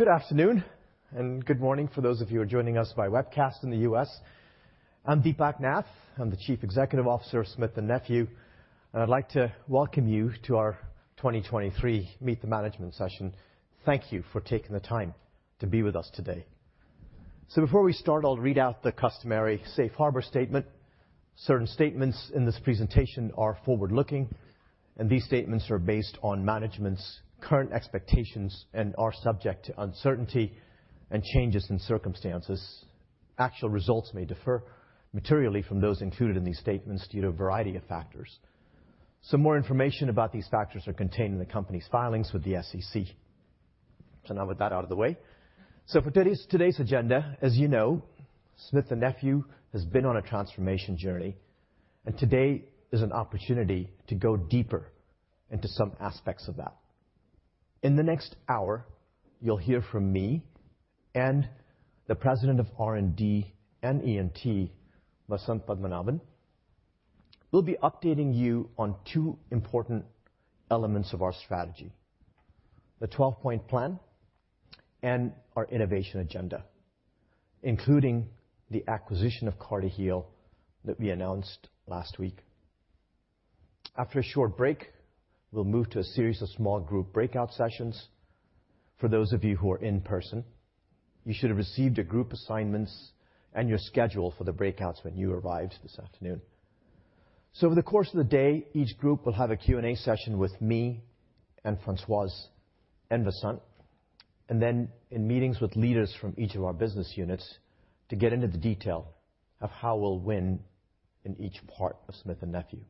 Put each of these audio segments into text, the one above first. Good afternoon and good morning for those of you who are joining us by webcast in the U.S. I'm Deepak Nath, I'm the Chief Executive Officer of Smith & Nephew, and I'd like to welcome you to our 2023 Meet the Management session. Thank you for taking the time to be with us today. Before we start, I'll read out the customary safe harbor statement. Certain statements in this presentation are forward-looking, and these statements are based on management's current expectations and are subject to uncertainty and changes in circumstances. Actual results may differ materially from those included in these statements due to a variety of factors. Some more information about these factors are contained in the company's filings with the SEC. Now with that out of the way, for today's agenda, as you know, Smith & Nephew has been on a transformation journey, and today is an opportunity to go deeper into some aspects of that. In the next hour, you'll hear from me and the President of R&D and ENT, Vasant Padmanabhan. We'll be updating you on two important elements of our strategy: the 12-Point Plan and our innovation agenda, including the acquisition of CartiHeal that we announced last week. After a short break, we'll move to a series of small group breakout sessions. For those of you who are in person, you should have received your group assignments and your schedule for the breakouts when you arrived this afternoon. Over the course of the day, each group will have a Q&A session with me and Françoise and Vasant, then in meetings with leaders from each of our business units to get into the detail of how we'll win in each part of Smith & Nephew.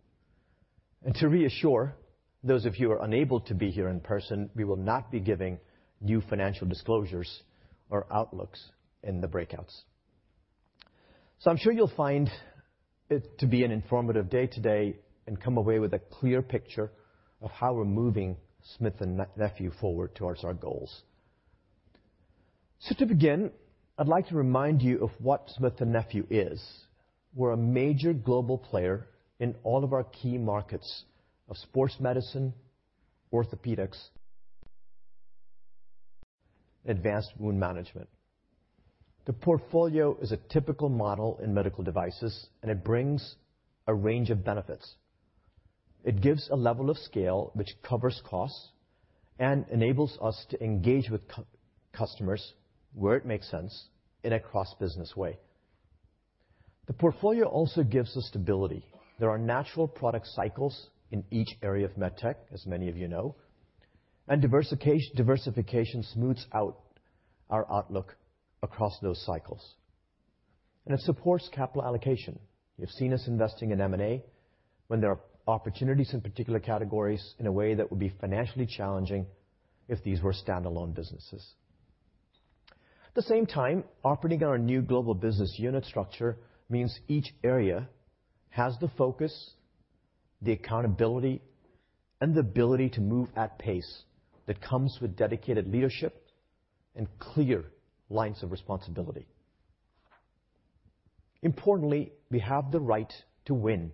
To reassure those of you who are unable to be here in person, we will not be giving new financial disclosures or outlooks in the breakouts. I'm sure you'll find it to be an informative day today and come away with a clear picture of how we're moving Smith & Nephew forward towards our goals. To begin, I'd like to remind you of what Smith & Nephew is. We're a major global player in all of our key markets of Sports Medicine, Orthopaedics, and Advanced Wound Management. The portfolio is a typical model in medical devices, and it brings a range of benefits. It gives a level of scale which covers costs and enables us to engage with customers where it makes sense in a cross-business way. The portfolio also gives us stability. There are natural product cycles in each area of MedTech, as many of you know, and diversification smooths out our outlook across those cycles. It supports capital allocation. You've seen us investing in M&A when there are opportunities in particular categories in a way that would be financially challenging if these were standalone businesses. At the same time, operating on our new global business unit structure means each area has the focus, the accountability, and the ability to move at pace that comes with dedicated leadership and clear lines of responsibility. Importantly, we have the right to win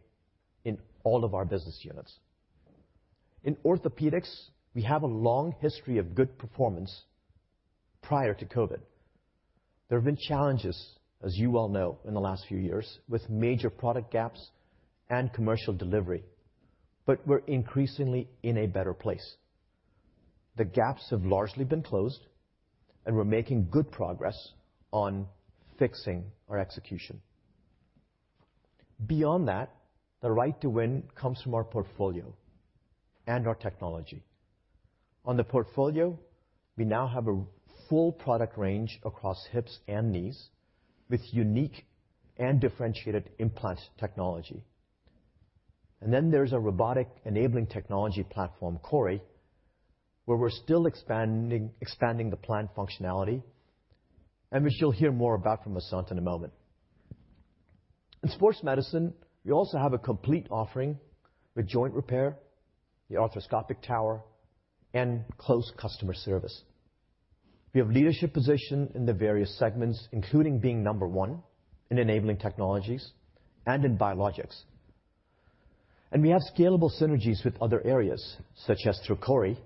in all of our business units. In Orthopaedics, we have a long history of good performance prior to COVID. There have been challenges, as you well know, in the last few years with major product gaps and commercial delivery, but we're increasingly in a better place. The gaps have largely been closed, and we're making good progress on fixing our execution. Beyond that, the right to win comes from our portfolio and our technology. On the portfolio, we now have a full product range across hips and knees with unique and differentiated implant technology. Then there's a robotic enabling technology platform, CORI, where we're still expanding the plant functionality and which you'll hear more about from Vasant in a moment. In Sports Medicine, we also have a complete offering with joint repair, the arthroscopic tower, and close customer service. We have leadership positions in the various segments, including being number one in enabling technologies and in biologics. We have scalable synergies with other areas, such as through CORI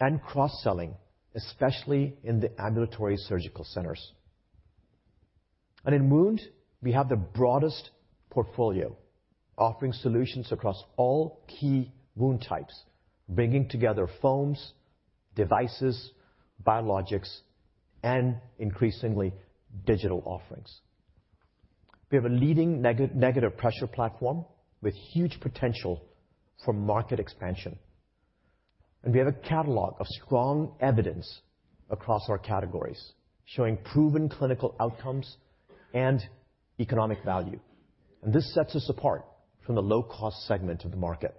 and cross-selling, especially in the ambulatory surgical centers. In wound, we have the broadest portfolio, offering solutions across all key wound types, bringing together foams, devices, biologics, and increasingly digital offerings. We have a leading negative pressure platform with huge potential for market expansion. We have a catalog of strong evidence across our categories showing proven clinical outcomes and economic value. This sets us apart from the low-cost segment of the market.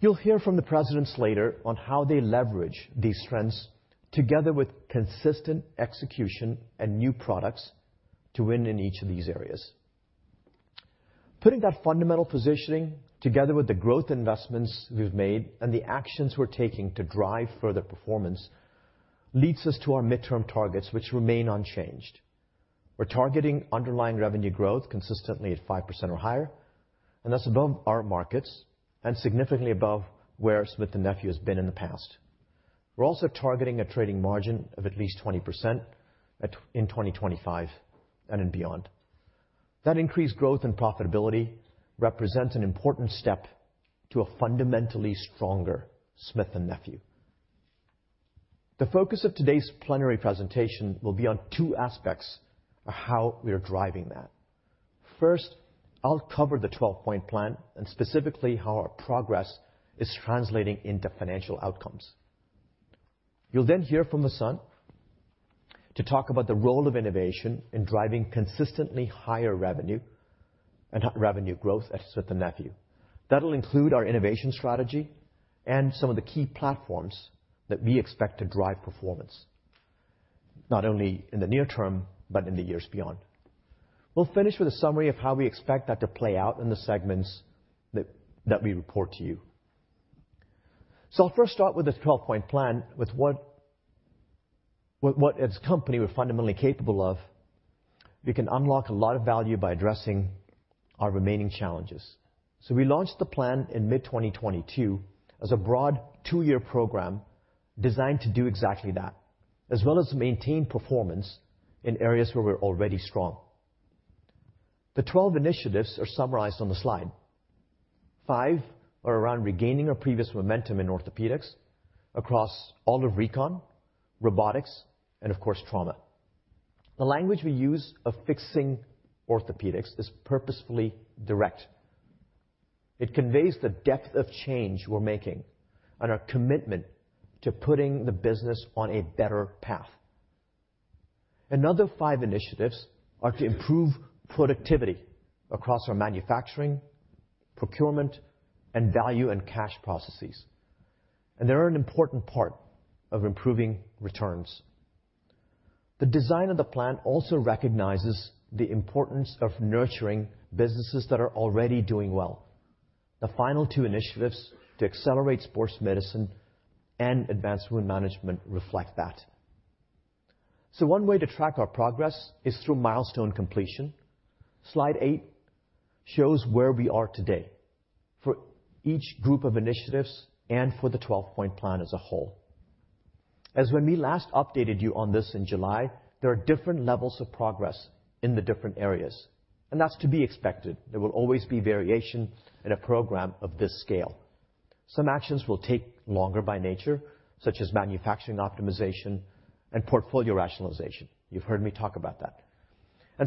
You'll hear from the presidents later on how they leverage these trends together with consistent execution and new products to win in each of these areas. Putting that fundamental positioning together with the growth investments we've made and the actions we're taking to drive further performance leads us to our midterm targets, which remain unchanged. We're targeting underlying revenue growth consistently at 5% or higher. That's above our markets and significantly above where Smith & Nephew has been in the past. We're also targeting a trading margin of at least 20% in 2025 and beyond. That increased growth and profitability represents an important step to a fundamentally stronger Smith & Nephew. The focus of today's plenary presentation will be on two aspects of how we are driving that. First, I'll cover the 12-Point Plan and specifically how our progress is translating into financial outcomes. You'll then hear from Vasant to talk about the role of innovation in driving consistently higher revenue and revenue growth at Smith & Nephew. That'll include our innovation strategy and some of the key platforms that we expect to drive performance, not only in the near term but in the years beyond. We'll finish with a summary of how we expect that to play out in the segments that we report to you. I'll first start with the 12-Point Plan, with what its company was fundamentally capable of. We can unlock a lot of value by addressing our remaining challenges. We launched the plan in mid-2022 as a broad two-year program designed to do exactly that, as well as maintain performance in areas where we're already strong. The 12 initiatives are summarized on the slide. Five are around regaining our previous momentum in orthopedics across all of recon, robotics, and of course, trauma. The language we use of fixing orthopedics is purposefully direct. It conveys the depth of change we're making and our commitment to putting the business on a better path. Another five initiatives are to improve productivity across our manufacturing, procurement, and value and cash processes. They're an important part of improving returns. The design of the plan also recognizes the importance of nurturing businesses that are already doing well. The final two initiatives to accelerate Sports Medicine and Advanced Wound Management reflect that. One way to track our progress is through milestone completion. Slide eight shows where we are today for each group of initiatives and for the 12-Point Plan as a whole. As when we last updated you on this in July, there are different levels of progress in the different areas, and that's to be expected. There will always be variation in a program of this scale. Some actions will take longer by nature, such as manufacturing optimization and portfolio rationalization. You've heard me talk about that.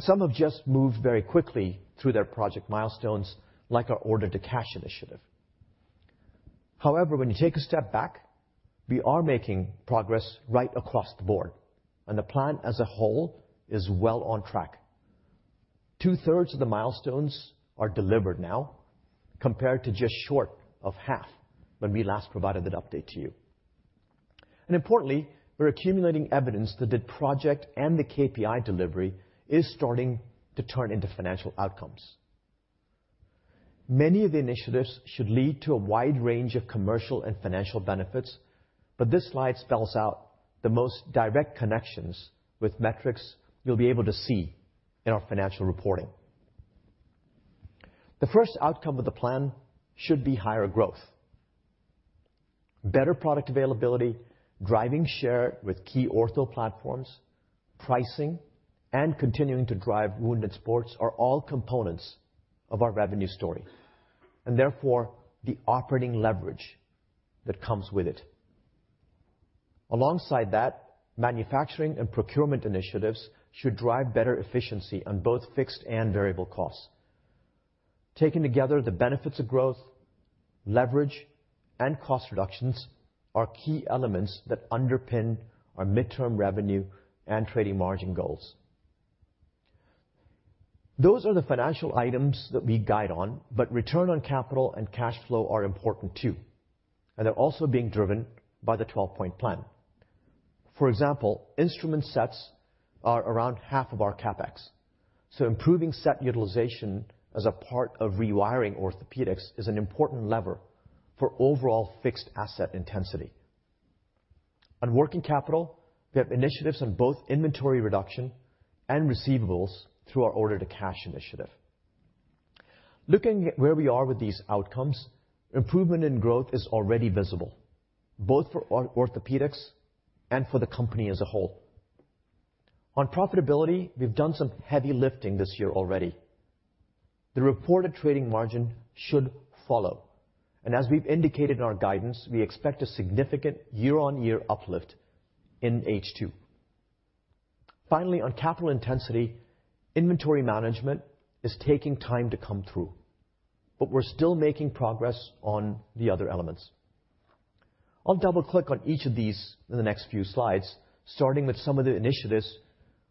Some have just moved very quickly through their project milestones, like our order to cash initiative. However, when you take a step back, we are making progress right across the board, and the plan as a whole is well on track. Two-thirds of the milestones are delivered now compared to just short of half when we last provided that update to you. Importantly, we're accumulating evidence that the project and the KPI delivery is starting to turn into financial outcomes. Many of the initiatives should lead to a wide range of commercial and financial benefits, but this slide spells out the most direct connections with metrics you'll be able to see in our financial reporting. The first outcome of the plan should be higher growth. Better product availability, driving share with key ortho platforms, pricing, and continuing to drive wounded sports are all components of our revenue story and therefore the operating leverage that comes with it. Alongside that, manufacturing and procurement initiatives should drive better efficiency on both fixed and variable costs. Taking together the benefits of growth, leverage, and cost reductions are key elements that underpin our midterm revenue and trading margin goals. Those are the financial items that we guide on, return on capital and cash flow are important too, and they're also being driven by the 12-Point Plan. For example, instrument sets are around half of our CapEx. Improving set utilization as a part of rewiring orthopedics is an important lever for overall fixed asset intensity. On working capital, we have initiatives on both inventory reduction and receivables through our order to cash initiative. Looking at where we are with these outcomes, improvement in growth is already visible, both for Orthopaedics and for the company as a whole. On profitability, we've done some heavy lifting this year already. The reported trading margin should follow, and as we've indicated in our guidance, we expect a significant year-on-year uplift in H2. Finally, on capital intensity, inventory management is taking time to come through, but we're still making progress on the other elements. I'll double-click on each of these in the next few slides, starting with some of the initiatives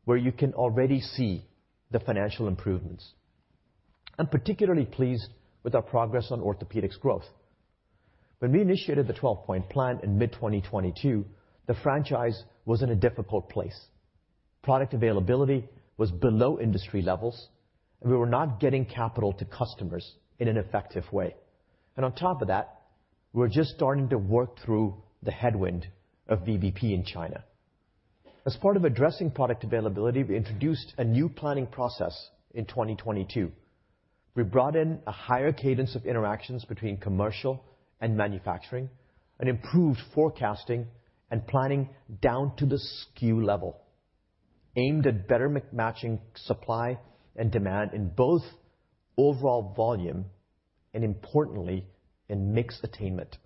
where you can already see the financial improvements. I'm particularly pleased with our progress on Orthopaedics growth. When we initiated the 12-Point Plan in mid-2022, the franchise was in a difficult place. Product availability was below industry levels, and we were not getting capital to customers in an effective way. On top of that, we were just starting to work through the headwind of VBP in China. As part of addressing product availability, we introduced a new planning process in 2022. We brought in a higher cadence of interactions between commercial and manufacturing, an improved forecasting and planning down to the SKU level, aimed at better matching supply and demand in both overall volume and, importantly, in mixed attainment.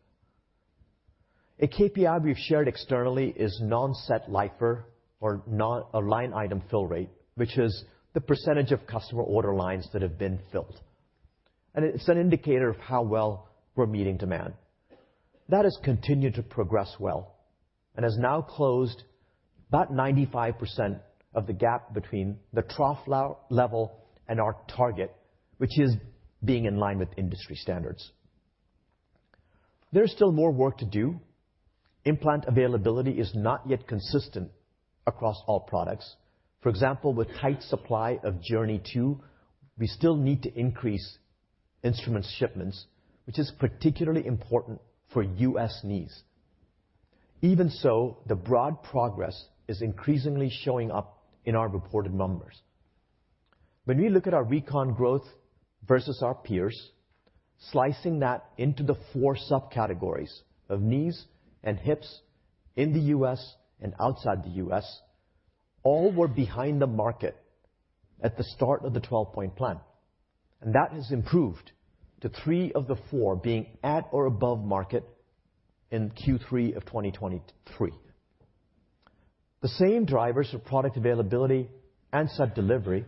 A KPI we've shared externally is non-set LIFR or non-aligned item fill rate, which is the percentage of customer order lines that have been filled. It's an indicator of how well we're meeting demand. That has continued to progress well and has now closed about 95% of the gap between the trough level and our target, which is being in line with industry standards. There's still more work to do. Implant availability is not yet consistent across all products. For example, with tight supply of JOURNEY II, we still need to increase instrument shipments, which is particularly important for U.S. knees. Even so, the broad progress is increasingly showing up in our reported numbers. When we look at our recon growth versus our peers, slicing that into the four subcategories of knees and hips in the U.S. and outside the U.S., all were behind the market at the start of the 12-Point Plan, and that has improved to three of the four being at or above market in Q3 of 2023. The same drivers of product availability and set delivery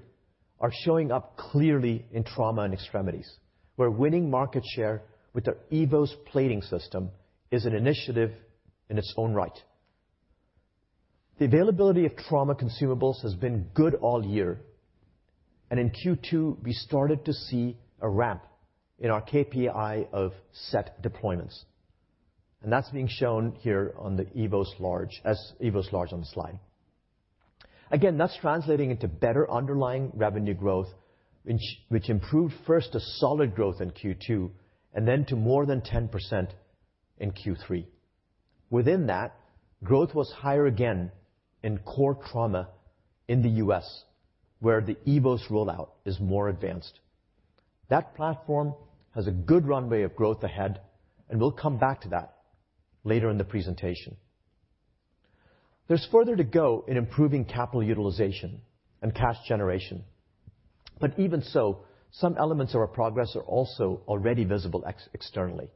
are showing up clearly in Trauma & Extremities, where winning market share with our EVOS plating system is an initiative in its own right. In Q2, we started to see a ramp in our KPI of set deployments. That's being shown here on the EVOS LARGE as EVOS LARGE on the slide. Again, that's translating into better underlying revenue growth, which improved first to solid growth in Q2 and then to more than 10% in Q3. Within that, growth was higher again in core trauma in the U.S., where the EVOS rollout is more advanced. That platform has a good runway of growth ahead, and we'll come back to that later in the presentation. There's further to go in improving capital utilization and cash generation. Even so, some elements of our progress are also already visible externally.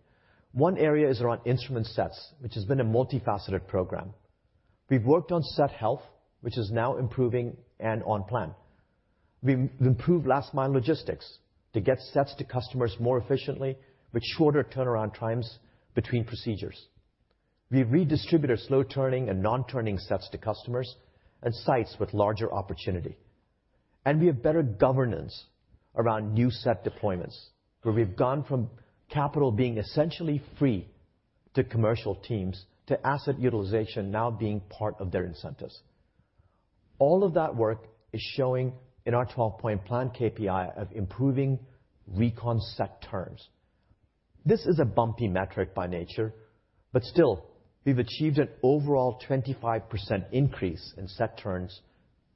One area is around instrument sets, which has been a multifaceted program. We've worked on set health, which is now improving and on plan. We've improved last-mile logistics to get sets to customers more efficiently with shorter turnaround times between procedures. We redistribute our slow-turning and non-turning sets to customers and sites with larger opportunity. We have better governance around new set deployments, where we've gone from capital being essentially free to commercial teams to asset utilization now being part of their incentives. All of that work is showing in our 12-Point Plan KPI of improving recon set turns. This is a bumpy metric by nature, but still, we've achieved an overall 25% increase in set turns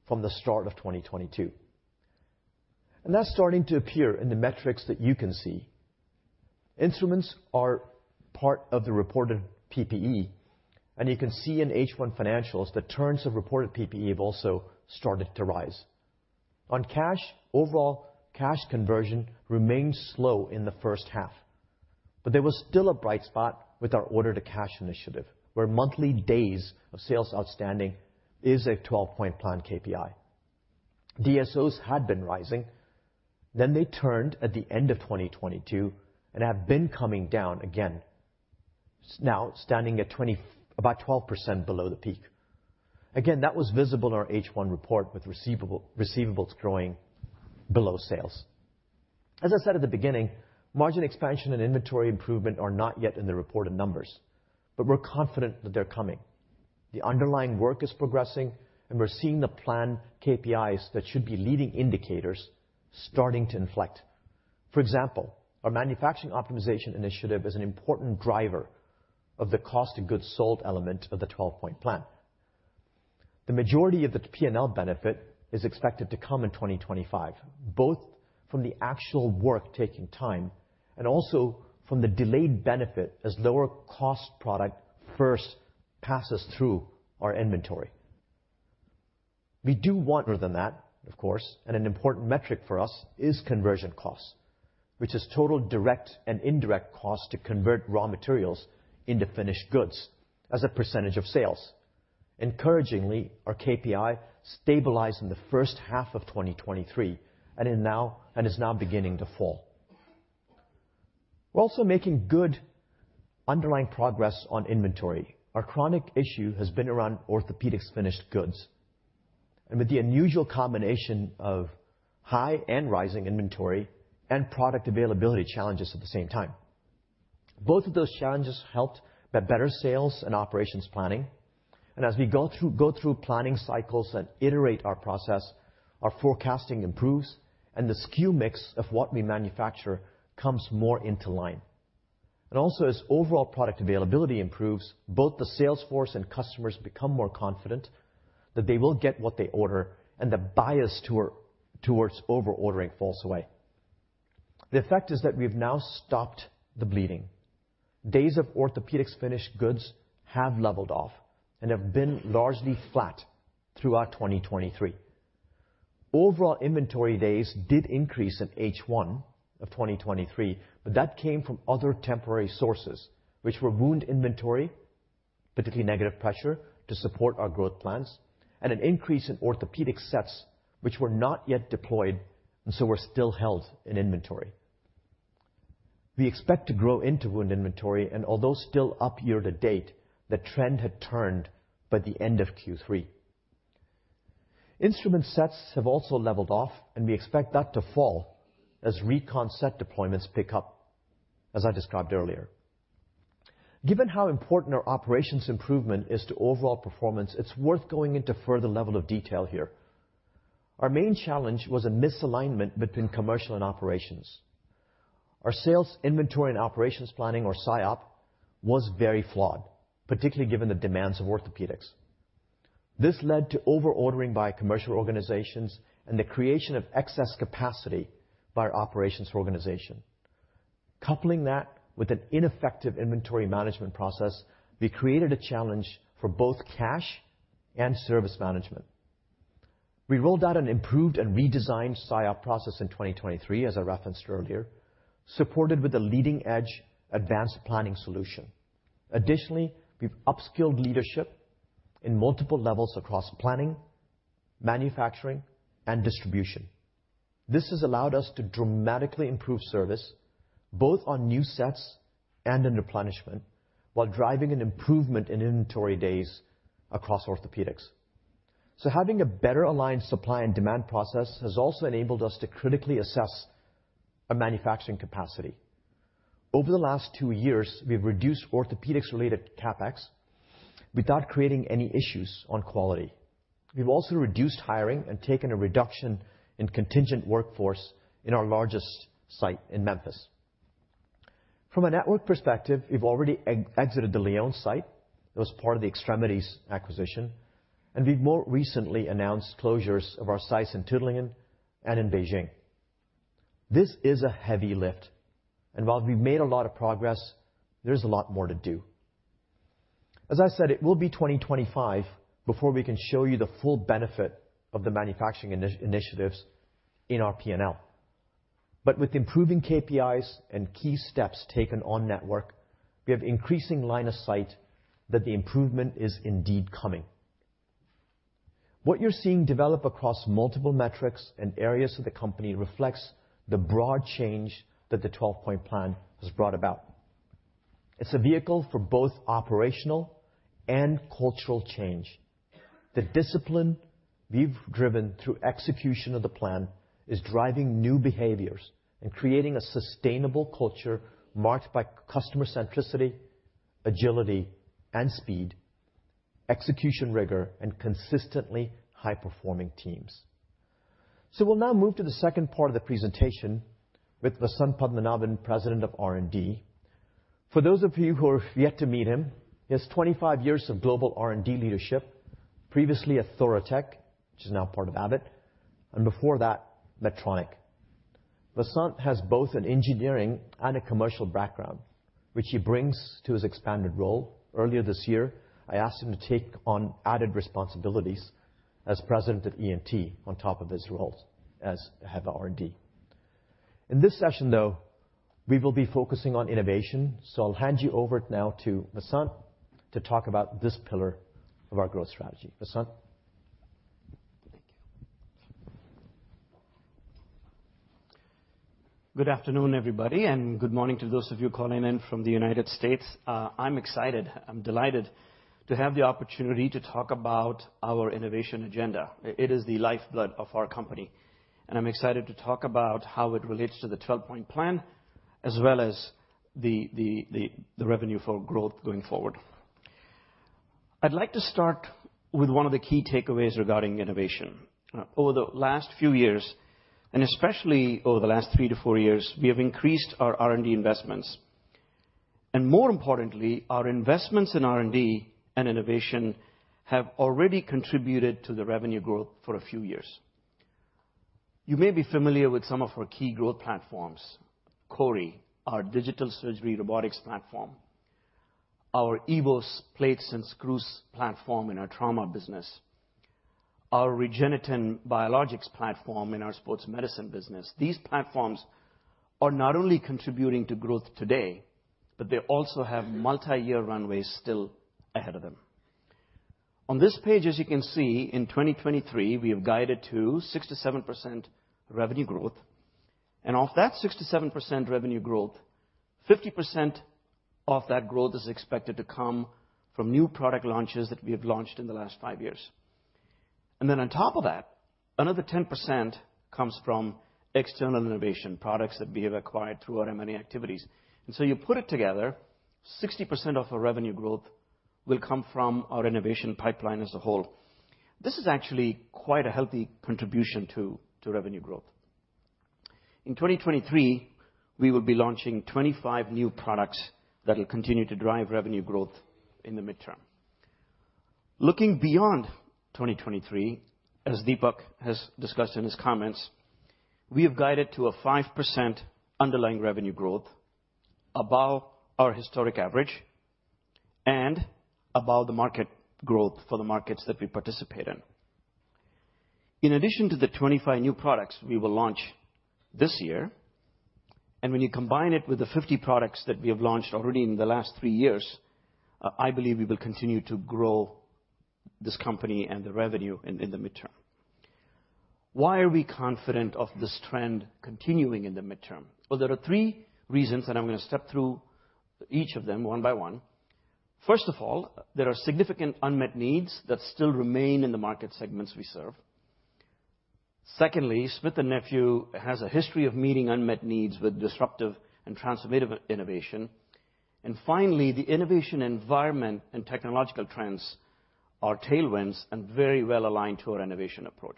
from the start of 2022. That's starting to appear in the metrics that you can see. Instruments are part of the reported PPE, and you can see in H1 financials that turns of reported PPE have also started to rise. On cash, overall cash conversion remains slow in the first half. There was still a bright spot with our order to cash initiative, where monthly days of sales outstanding is a 12-Point Plan KPI. DSOs had been rising. They turned at the end of 2022 and have been coming down again, now standing at about 12% below the peak. Again, that was visible in our H1 report with receivables growing below sales. As I said at the beginning, margin expansion and inventory improvement are not yet in the reported numbers. We're confident that they're coming. The underlying work is progressing. We're seeing the plan KPIs that should be leading indicators starting to inflect. For example, our manufacturing optimization initiative is an important driver of the cost of goods sold element of the 12-Point Plan. The majority of the P&L benefit is expected to come in 2025, both from the actual work taking time and also from the delayed benefit as lower-cost product first passes through our inventory. An important metric for us is conversion costs, which is total direct and indirect costs to convert raw materials into finished goods as a % of sales. Encouragingly, our KPI stabilized in the first half of 2023 and is now beginning to fall. We're also making good underlying progress on inventory. Our chronic issue has been around Orthopaedics finished goods and with the unusual combination of high and rising inventory and product availability challenges at the same time. Both of those challenges helped better sales and operations planning. As we go through planning cycles and iterate our process, our forecasting improves, and the SKU mix of what we manufacture comes more into line. Also, as overall product availability improves, both the salesforce and customers become more confident that they will get what they order and the bias towards over-ordering falls away. The effect is that we've now stopped the bleeding. Days of orthopedics finished goods have leveled off and have been largely flat throughout 2023. Overall inventory days did increase in H1 of 2023, but that came from other temporary sources, which were wound inventory, particularly negative pressure to support our growth plans, and an increase in orthopedic sets, which were not yet deployed and so were still held in inventory. We expect to grow into wound inventory, and although still up year-to-date, that trend had turned by the end of Q3. Instrument sets have also leveled off, and we expect that to fall as recon set deployments pick up, as I described earlier. Given how important our operations improvement is to overall performance, it's worth going into further level of detail here. Our main challenge was a misalignment between commercial and operations. Our Sales, Inventory & Operations Planning, or SIOP, was very flawed, particularly given the demands of orthopedics. This led to over-ordering by commercial organizations and the creation of excess capacity by our operations organization. Coupling that with an ineffective inventory management process, we created a challenge for both cash and service management. We rolled out an improved and redesigned SIOP process in 2023, as I referenced earlier, supported with the leading-edge advanced planning solution. Additionally, we've upskilled leadership in multiple levels across planning, manufacturing, and distribution. This has allowed us to dramatically improve service both on new sets and in replenishment while driving an improvement in inventory days across Orthopaedics. Having a better aligned supply and demand process has also enabled us to critically assess our manufacturing capacity. Over the last two years, we've reduced orthopaedics-related CapEx without creating any issues on quality. We've also reduced hiring and taken a reduction in contingent workforce in our largest site in Memphis. From a network perspective, we've already exited the León site that was part of the extremities acquisition, and we've more recently announced closures of our sites in Tuttlingen and in Beijing. This is a heavy lift, and while we've made a lot of progress, there's a lot more to do. As I said, it will be 2025 before we can show you the full benefit of the manufacturing initiatives in our P&L. With improving KPIs and key steps taken on network, we have increasing line of sight that the improvement is indeed coming. What you're seeing develop across multiple metrics and areas of the company reflects the broad change that the 12-Point Plan has brought about. It's a vehicle for both operational and cultural change. The discipline we've driven through execution of the plan is driving new behaviors and creating a sustainable culture marked by customer centricity, agility, and speed, execution rigor, and consistently high-performing teams. We'll now move to the second part of the presentation with Vasant Padmanabhan, President of R&D. For those of you who have yet to meet him, he has 25 years of global R&D leadership, previously at Thoratec, which is now part of Abbott, and before that, Medtronic. Vasant has both an engineering and a commercial background, which he brings to his expanded role. Earlier this year, I asked him to take on added responsibilities as President at ENT on top of his roles as Head of R&D. In this session, though, we will be focusing on innovation, so I'll hand you over now to Vasant to talk about this pillar of our growth strategy. Vasant? Good afternoon, everybody, and good morning to those of you calling in from the United States. I'm excited. I'm delighted to have the opportunity to talk about our innovation agenda. It is the lifeblood of our company, and I'm excited to talk about how it relates to the 12-Point Plan as well as the revenue for growth going forward. I'd like to start with one of the key takeaways regarding innovation. Over the last few years, and especially over the last three to four years, we have increased our R&D investments. More importantly, our investments in R&D and innovation have already contributed to the revenue growth for a few years. You may be familiar with some of our key growth platforms: CORI, our digital surgery robotics platform; our EVOS plates and screws platform in our Trauma business; our REGENETEN Biologics platform in our Sports Medicine business. These platforms are not only contributing to growth today, but they also have multi-year runways still ahead of them. On this page, as you can see, in 2023, we have guided to 6%-7% revenue growth. Off that 6%-7% revenue growth, 50% of that growth is expected to come from new product launches that we have launched in the last five years. Then on top of that, another 10% comes from external innovation products that we have acquired through our M&A activities. So you put it together, 60% of our revenue growth will come from our innovation pipeline as a whole. This is actually quite a healthy contribution to revenue growth. In 2023, we will be launching 25 new products that will continue to drive revenue growth in the midterm. Looking beyond 2023, as Deepak has discussed in his comments, we have guided to a 5% underlying revenue growth above our historic average and above the market growth for the markets that we participate in. In addition to the 25 new products we will launch this year, and when you combine it with the 50 products that we have launched already in the last three years, I believe we will continue to grow this company and the revenue in the midterm. Why are we confident of this trend continuing in the midterm? Well, there are three reasons, and I'm going to step through each of them one by one. First of all, there are significant unmet needs that still remain in the market segments we serve. Secondly, Smith & Nephew has a history of meeting unmet needs with disruptive and transformative innovation. Finally, the innovation environment and technological trends are tailwinds and very well aligned to our innovation approach.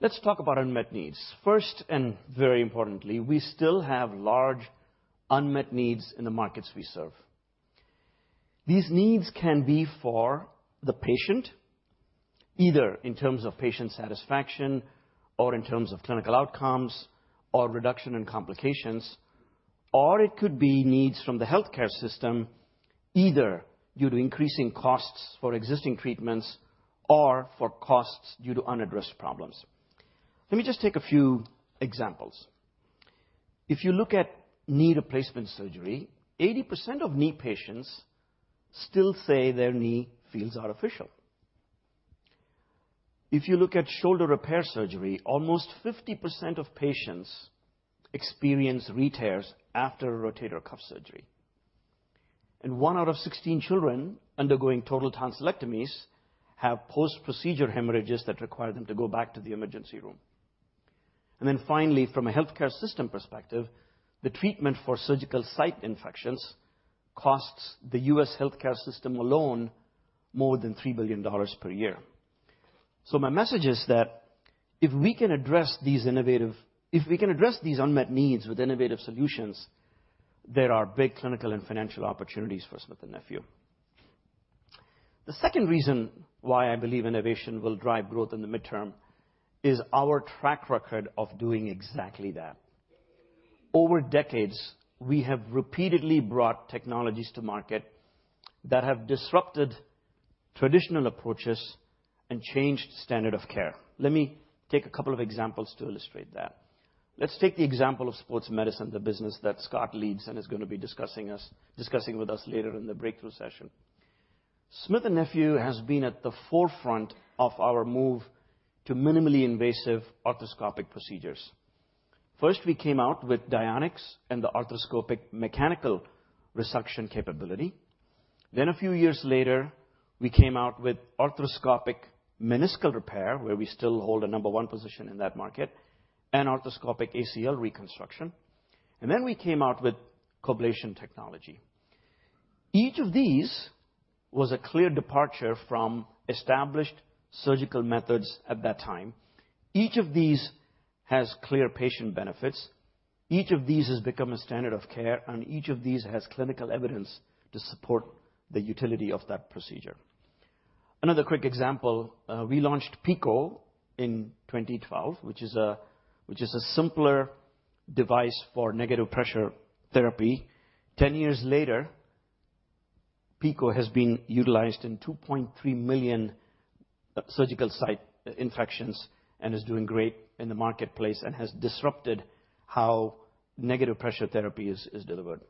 Let's talk about unmet needs. First and very importantly, we still have large unmet needs in the markets we serve. These needs can be for the patient, either in terms of patient satisfaction or in terms of clinical outcomes or reduction in complications, or it could be needs from the healthcare system, either due to increasing costs for existing treatments or for costs due to unaddressed problems. Let me just take a few examples. If you look at knee replacement surgery, 80% of knee patients still say their knee feels artificial. If you look at shoulder repair surgery, almost 50% of patients experience retears after rotator cuff surgery. One out of 16 children undergoing total tonsillectomies have post-procedure hemorrhages that require them to go back to the emergency room. Finally, from a healthcare system perspective, the treatment for surgical site infections costs the U.S. healthcare system alone more than $3 billion per year. My message is that if we can address these unmet needs with innovative solutions, there are big clinical and financial opportunities for Smith & Nephew. The second reason why I believe innovation will drive growth in the midterm is our track record of doing exactly that. Over decades, we have repeatedly brought technologies to market that have disrupted traditional approaches and changed standard of care. Let me take a couple of examples to illustrate that. Let's take the example of Sports Medicine, the business that Scott leads and is going to be discussing with us later in the breakthrough session. Smith & Nephew has been at the forefront of our move to minimally invasive arthroscopic procedures. First, we came out with DYONICS and the arthroscopic mechanical resection capability. A few years later, we came out with arthroscopic meniscal repair, where we still hold a number one position in that market, and arthroscopic ACL reconstruction. We came out with COBLATION technology. Each of these was a clear departure from established surgical methods at that time. Each of these has clear patient benefits. Each of these has become a standard of care, and each of these has clinical evidence to support the utility of that procedure. Another quick example, we launched PICO in 2012, which is a simpler device for negative pressure therapy. 10 years later, PICO has been utilized in $2.3 million surgical site infections and is doing great in the marketplace and has disrupted how negative pressure therapy is delivered.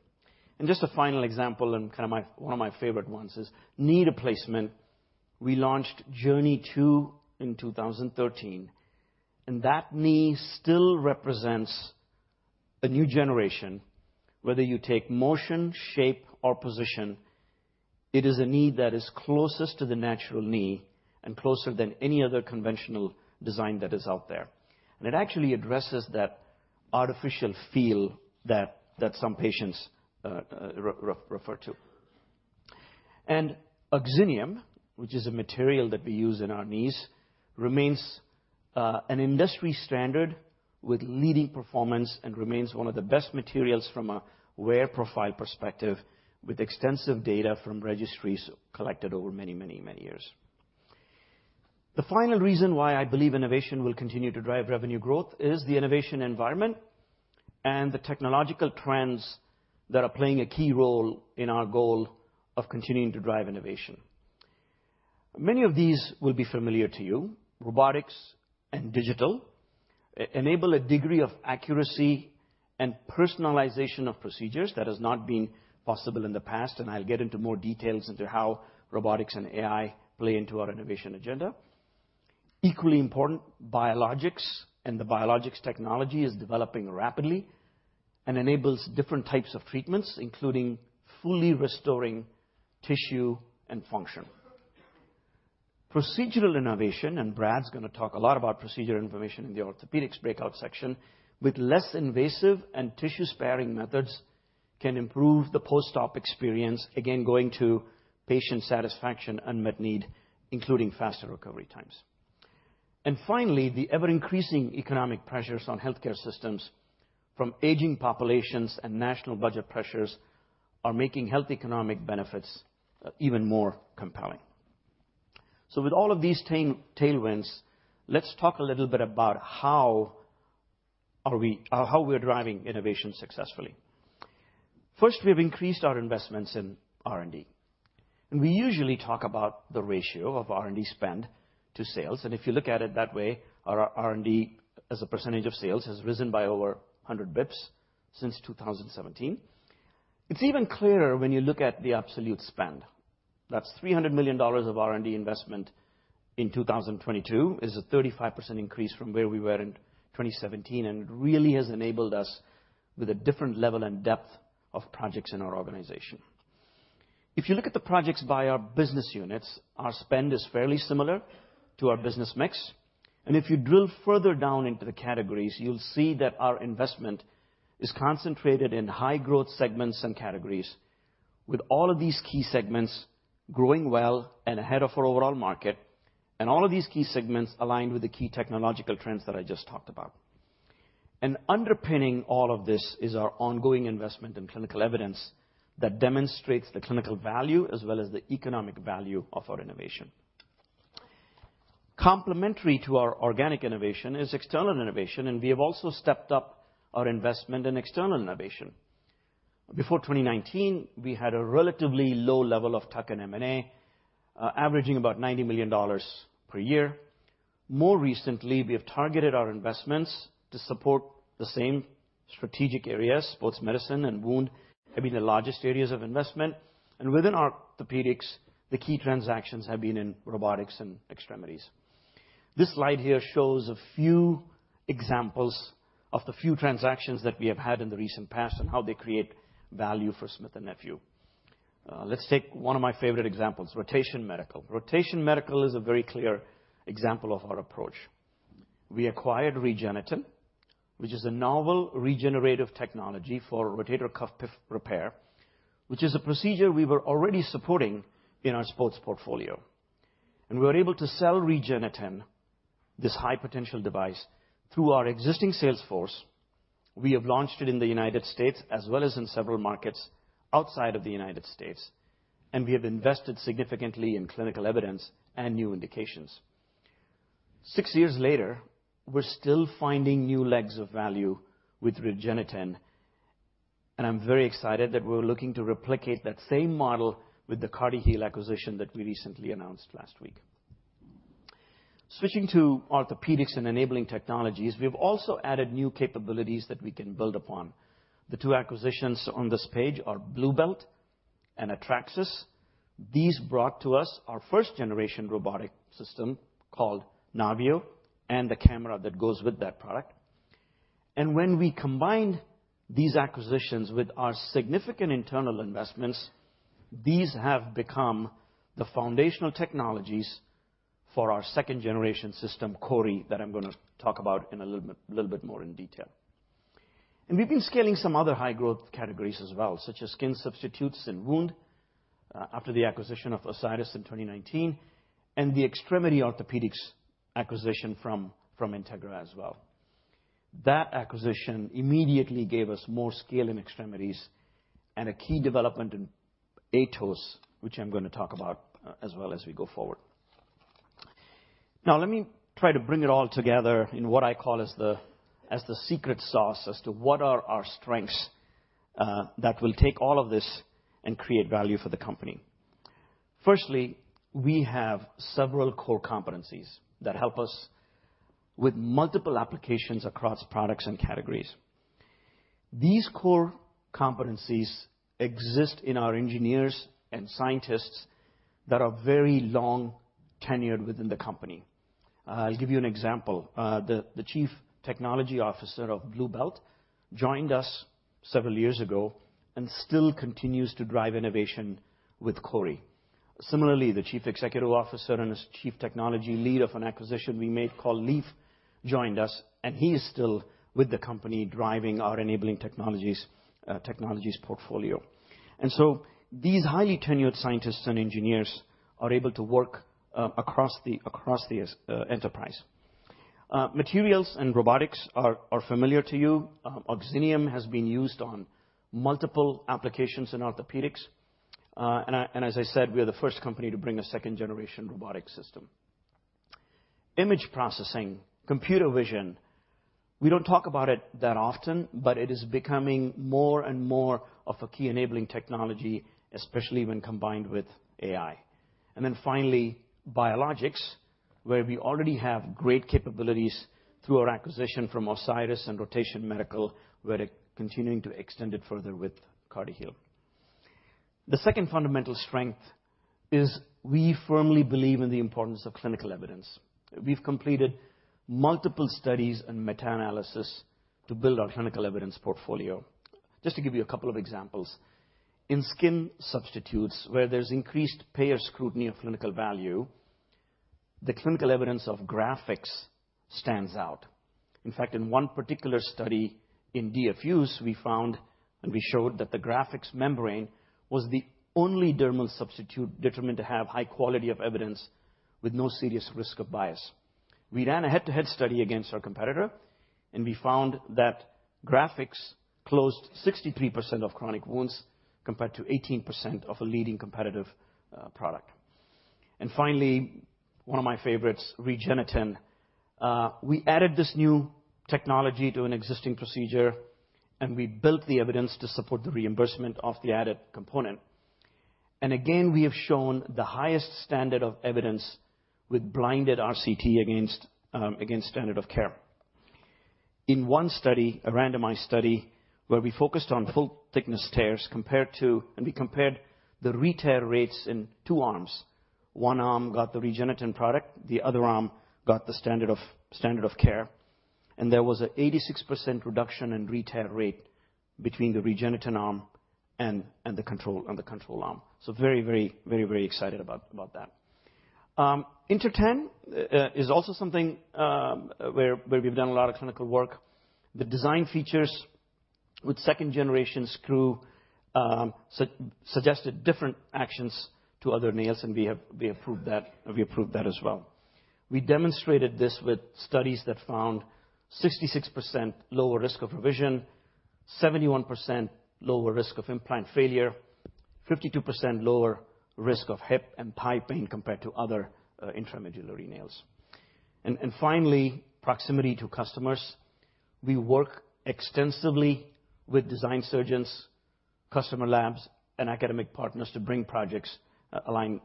Just a final example and kind of one of my favorite ones is knee replacement. We launched JOURNEY II in 2013, and that knee still represents a new generation. Whether you take motion, shape, or position, it is a knee that is closest to the natural knee and closer than any other conventional design that is out there. It actually addresses that artificial feel that some patients refer to. OXINIUM, which is a material that we use in our knees, remains an industry standard with leading performance and remains one of the best materials from a wear profile perspective with extensive data from registries collected over many, many, many years. The final reason why I believe innovation will continue to drive revenue growth is the innovation environment and the technological trends that are playing a key role in our goal of continuing to drive innovation. Many of these will be familiar to you. Robotics and digital enable a degree of accuracy and personalization of procedures that has not been possible in the past. I'll get into more details into how robotics and AI play into our innovation agenda. Equally important, biologics and the biologics technology is developing rapidly and enables different types of treatments, including fully restoring tissue and function. Procedural innovation. Brad's going to talk a lot about procedural information in the orthopaedics breakout section, with less invasive and tissue-sparing methods can improve the post-op experience, again going to patient satisfaction, unmet need, including faster recovery times. Finally, the ever-increasing economic pressures on healthcare systems from aging populations and national budget pressures are making health economic benefits even more compelling. With all of these tailwinds, let's talk a little bit about how we are driving innovation successfully. First, we have increased our investments in R&D. We usually talk about the ratio of R&D spend to sales. If you look at it that way, our R&D as a percentage of sales has risen by over 100 basis points since 2017. It's even clearer when you look at the absolute spend. That's $300 million of R&D investment in 2022 is a 35% increase from where we were in 2017, and it really has enabled us with a different level and depth of projects in our organization. If you look at the projects by our business units, our spend is fairly similar to our business mix. If you drill further down into the categories, you'll see that our investment is concentrated in high-growth segments and categories, with all of these key segments growing well and ahead of our overall market, and all of these key segments aligned with the key technological trends that I just talked about. Underpinning all of this is our ongoing investment in clinical evidence that demonstrates the clinical value as well as the economic value of our innovation. Complementary to our organic innovation is external innovation, and we have also stepped up our investment in external innovation. Before 2019, we had a relatively low level of tuck-in and M&A, averaging about $90 million per year. More recently, we have targeted our investments to support the same strategic areas. Sports Medicine and Wound have been the largest areas of investment. Within Orthopedics, the key transactions have been in robotics and extremities. This slide here shows a few examples of the few transactions that we have had in the recent past and how they create value for Smith & Nephew. Let's take one of my favorite examples, Rotation Medical. Rotation Medical is a very clear example of our approach. We acquired REGENETEN, which is a novel regenerative technology for rotator cuff repair, which is a procedure we were already supporting in our sports portfolio. We were able to sell REGENETEN, this high-potential device, through our existing sales force. We have launched it in the United States as well as in several markets outside of the United States, and we have invested significantly in clinical evidence and new indications. Six years later, we're still finding new legs of value with REGENETEN, and I'm very excited that we're looking to replicate that same model with the CartiHeal acquisition that we recently announced last week. Switching to Orthopaedics and enabling technologies, we have also added new capabilities that we can build upon. The two acquisitions on this page are Blue Belt and Atracsys. These brought to us our first-generation robotic system called NAVIO and the camera that goes with that product. When we combined these acquisitions with our significant internal investments, these have become the foundational technologies for our second-generation system, CORI, that I'm going to talk about in a little bit more in detail. We've been scaling some other high-growth categories as well, such as skin substitutes in wound after the acquisition of Osiris in 2019 and the Extremity Orthopaedics acquisition from Integra as well. That acquisition immediately gave us more scale in extremities and a key development in AETOS, which I'm going to talk about as well as we go forward. Let me try to bring it all together in what I call as the secret sauce as to what are our strengths that will take all of this and create value for the company. Firstly, we have several core competencies that help us with multiple applications across products and categories. These core competencies exist in our engineers and scientists that are very long-tenured within the company. I'll give you an example. The Chief Technology Officer of Blue Belt joined us several years ago and still continues to drive innovation with CORI. Similarly, the Chief Executive Officer and Chief Technology Lead of an acquisition we made called Leaf joined us, and he is still with the company driving our enabling technologies portfolio. So these highly tenured scientists and engineers are able to work across the enterprise. Materials and robotics are familiar to you. OXINIUM has been used on multiple applications in orthopedics. As I said, we are the first company to bring a second-generation robotic system. Image processing, computer vision, we don't talk about it that often, but it is becoming more and more of a key enabling technology, especially when combined with AI. Then finally, biologics, where we already have great capabilities through our acquisition from Osiris and Rotation Medical, where it continues to extend it further with CartiHeal. The second fundamental strength is we firmly believe in the importance of clinical evidence. We've completed multiple studies and meta-analysis to build our clinical evidence portfolio. Just to give you a couple of examples, in skin substitutes, where there's increased payer scrutiny of clinical value, the clinical evidence of GRAFIX stands out. In fact, in one particular study in DFUs, we found and we showed that the GRAFIX membrane was the only dermal substitute determined to have high quality of evidence with no serious risk of bias. We ran a head-to-head study against our competitor. We found that GRAFIX closed 63% of chronic wounds compared to 18% of a leading competitive product. Finally, one of my favorites, REGENETEN. We added this new technology to an existing procedure, and we built the evidence to support the reimbursement of the added component. Again, we have shown the highest standard of evidence with blinded RCT against standard of care. In one study, a randomized study where we focused on full-thickness tears compared to and we compared the retear rates in two arms. One arm got the REGENETEN product. The other arm got the standard of care. There was an 86% reduction in retear rate between the REGENETEN arm and the control arm. Very, very, very, very excited about that. INTERTAN is also something where we've done a lot of clinical work. The design features with second-generation screw suggested different actions to other nails, and we have proved that as well. We demonstrated this with studies that found 66% lower risk of revision, 71% lower risk of implant failure, 52% lower risk of hip and thigh pain compared to other intramedullary nails. Finally, proximity to customers. We work extensively with design surgeons, customer labs, and academic partners to bring projects aligned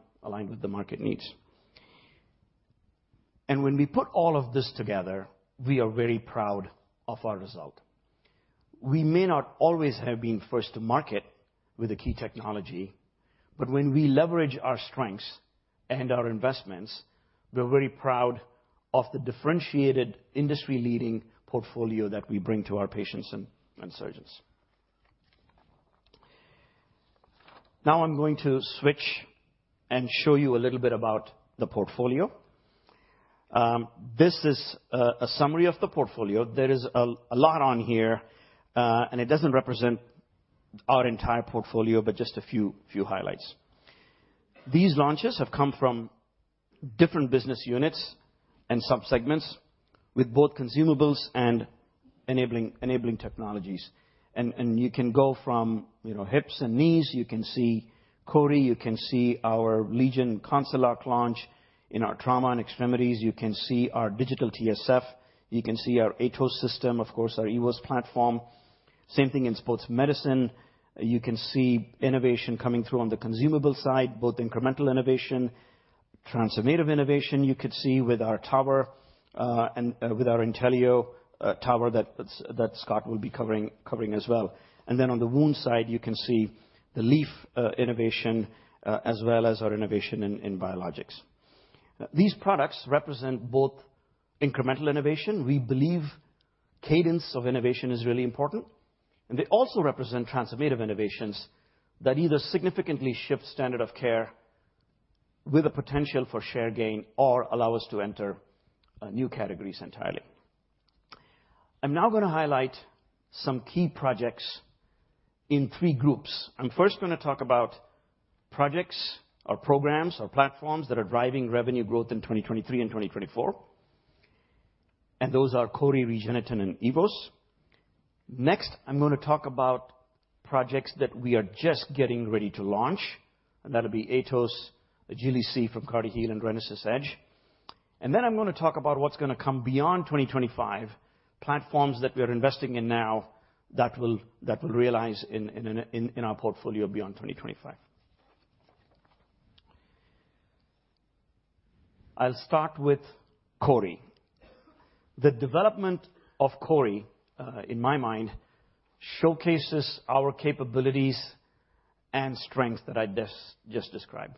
with the market needs. When we put all of this together, we are very proud of our result. We may not always have been first to market with a key technology, but when we leverage our strengths and our investments, we're very proud of the differentiated industry-leading portfolio that we bring to our patients and surgeons. Now I'm going to switch and show you a little bit about the portfolio. This is a summary of the portfolio. There is a lot on here, and it doesn't represent our entire portfolio, but just a few highlights. These launches have come from different business units and subsegments with both consumables and enabling technologies. You can go from hips and knees. You can see CORI. You can see our LEGION CONCELOC launch in our Trauma & Extremities. You can see our digital TSF. You can see our AETOS system, of course, our EVOS platform. Same thing in Sports Medicine. You can see innovation coming through on the consumable side, both incremental innovation, transformative innovation you could see with our tower and with our INTELLIO tower that Scott will be covering as well. On the wound side, you can see the LEAF innovation as well as our innovation in biologics. These products represent both incremental innovation. We believe cadence of innovation is really important. They also represent transformative innovations that either significantly shift standard of care with a potential for share gain or allow us to enter new categories entirely. I'm now going to highlight some key projects in three groups. I'm first going to talk about projects or programs or platforms that are driving revenue growth in 2023 and 2024. Those are CORI, REGENETEN, and EVOS. Next, I'm going to talk about projects that we are just getting ready to launch. That'll be AETOS, AGILI-C from CartiHeal, and RENASYS EDGE. Then I'm going to talk about what's going to come beyond 2025, platforms that we are investing in now that will realize in our portfolio beyond 2025. I'll start with CORI. The development of CORI, in my mind, showcases our capabilities and strengths that I just described.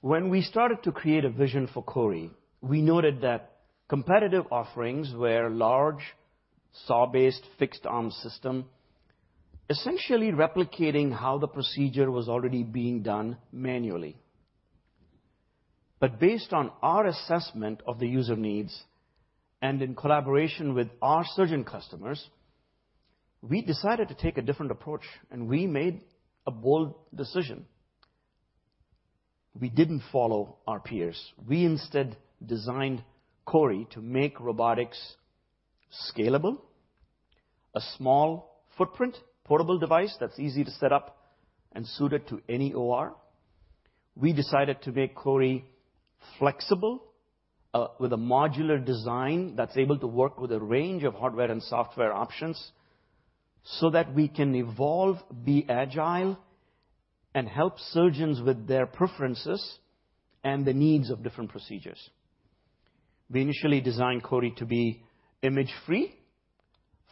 When we started to create a vision for CORI, we noted that competitive offerings were large, saw-based, fixed-arm systems, essentially replicating how the procedure was already being done manually. Based on our assessment of the user needs and in collaboration with our surgeon customers, we decided to take a different approach, and we made a bold decision. We didn't follow our peers. We instead designed CORI to make robotics scalable, a small footprint, portable device that's easy to set up and suited to any OR. We decided to make CORI flexible with a modular design that's able to work with a range of hardware and software options so that we can evolve, be agile, and help surgeons with their preferences and the needs of different procedures. We initially designed CORI to be image-free.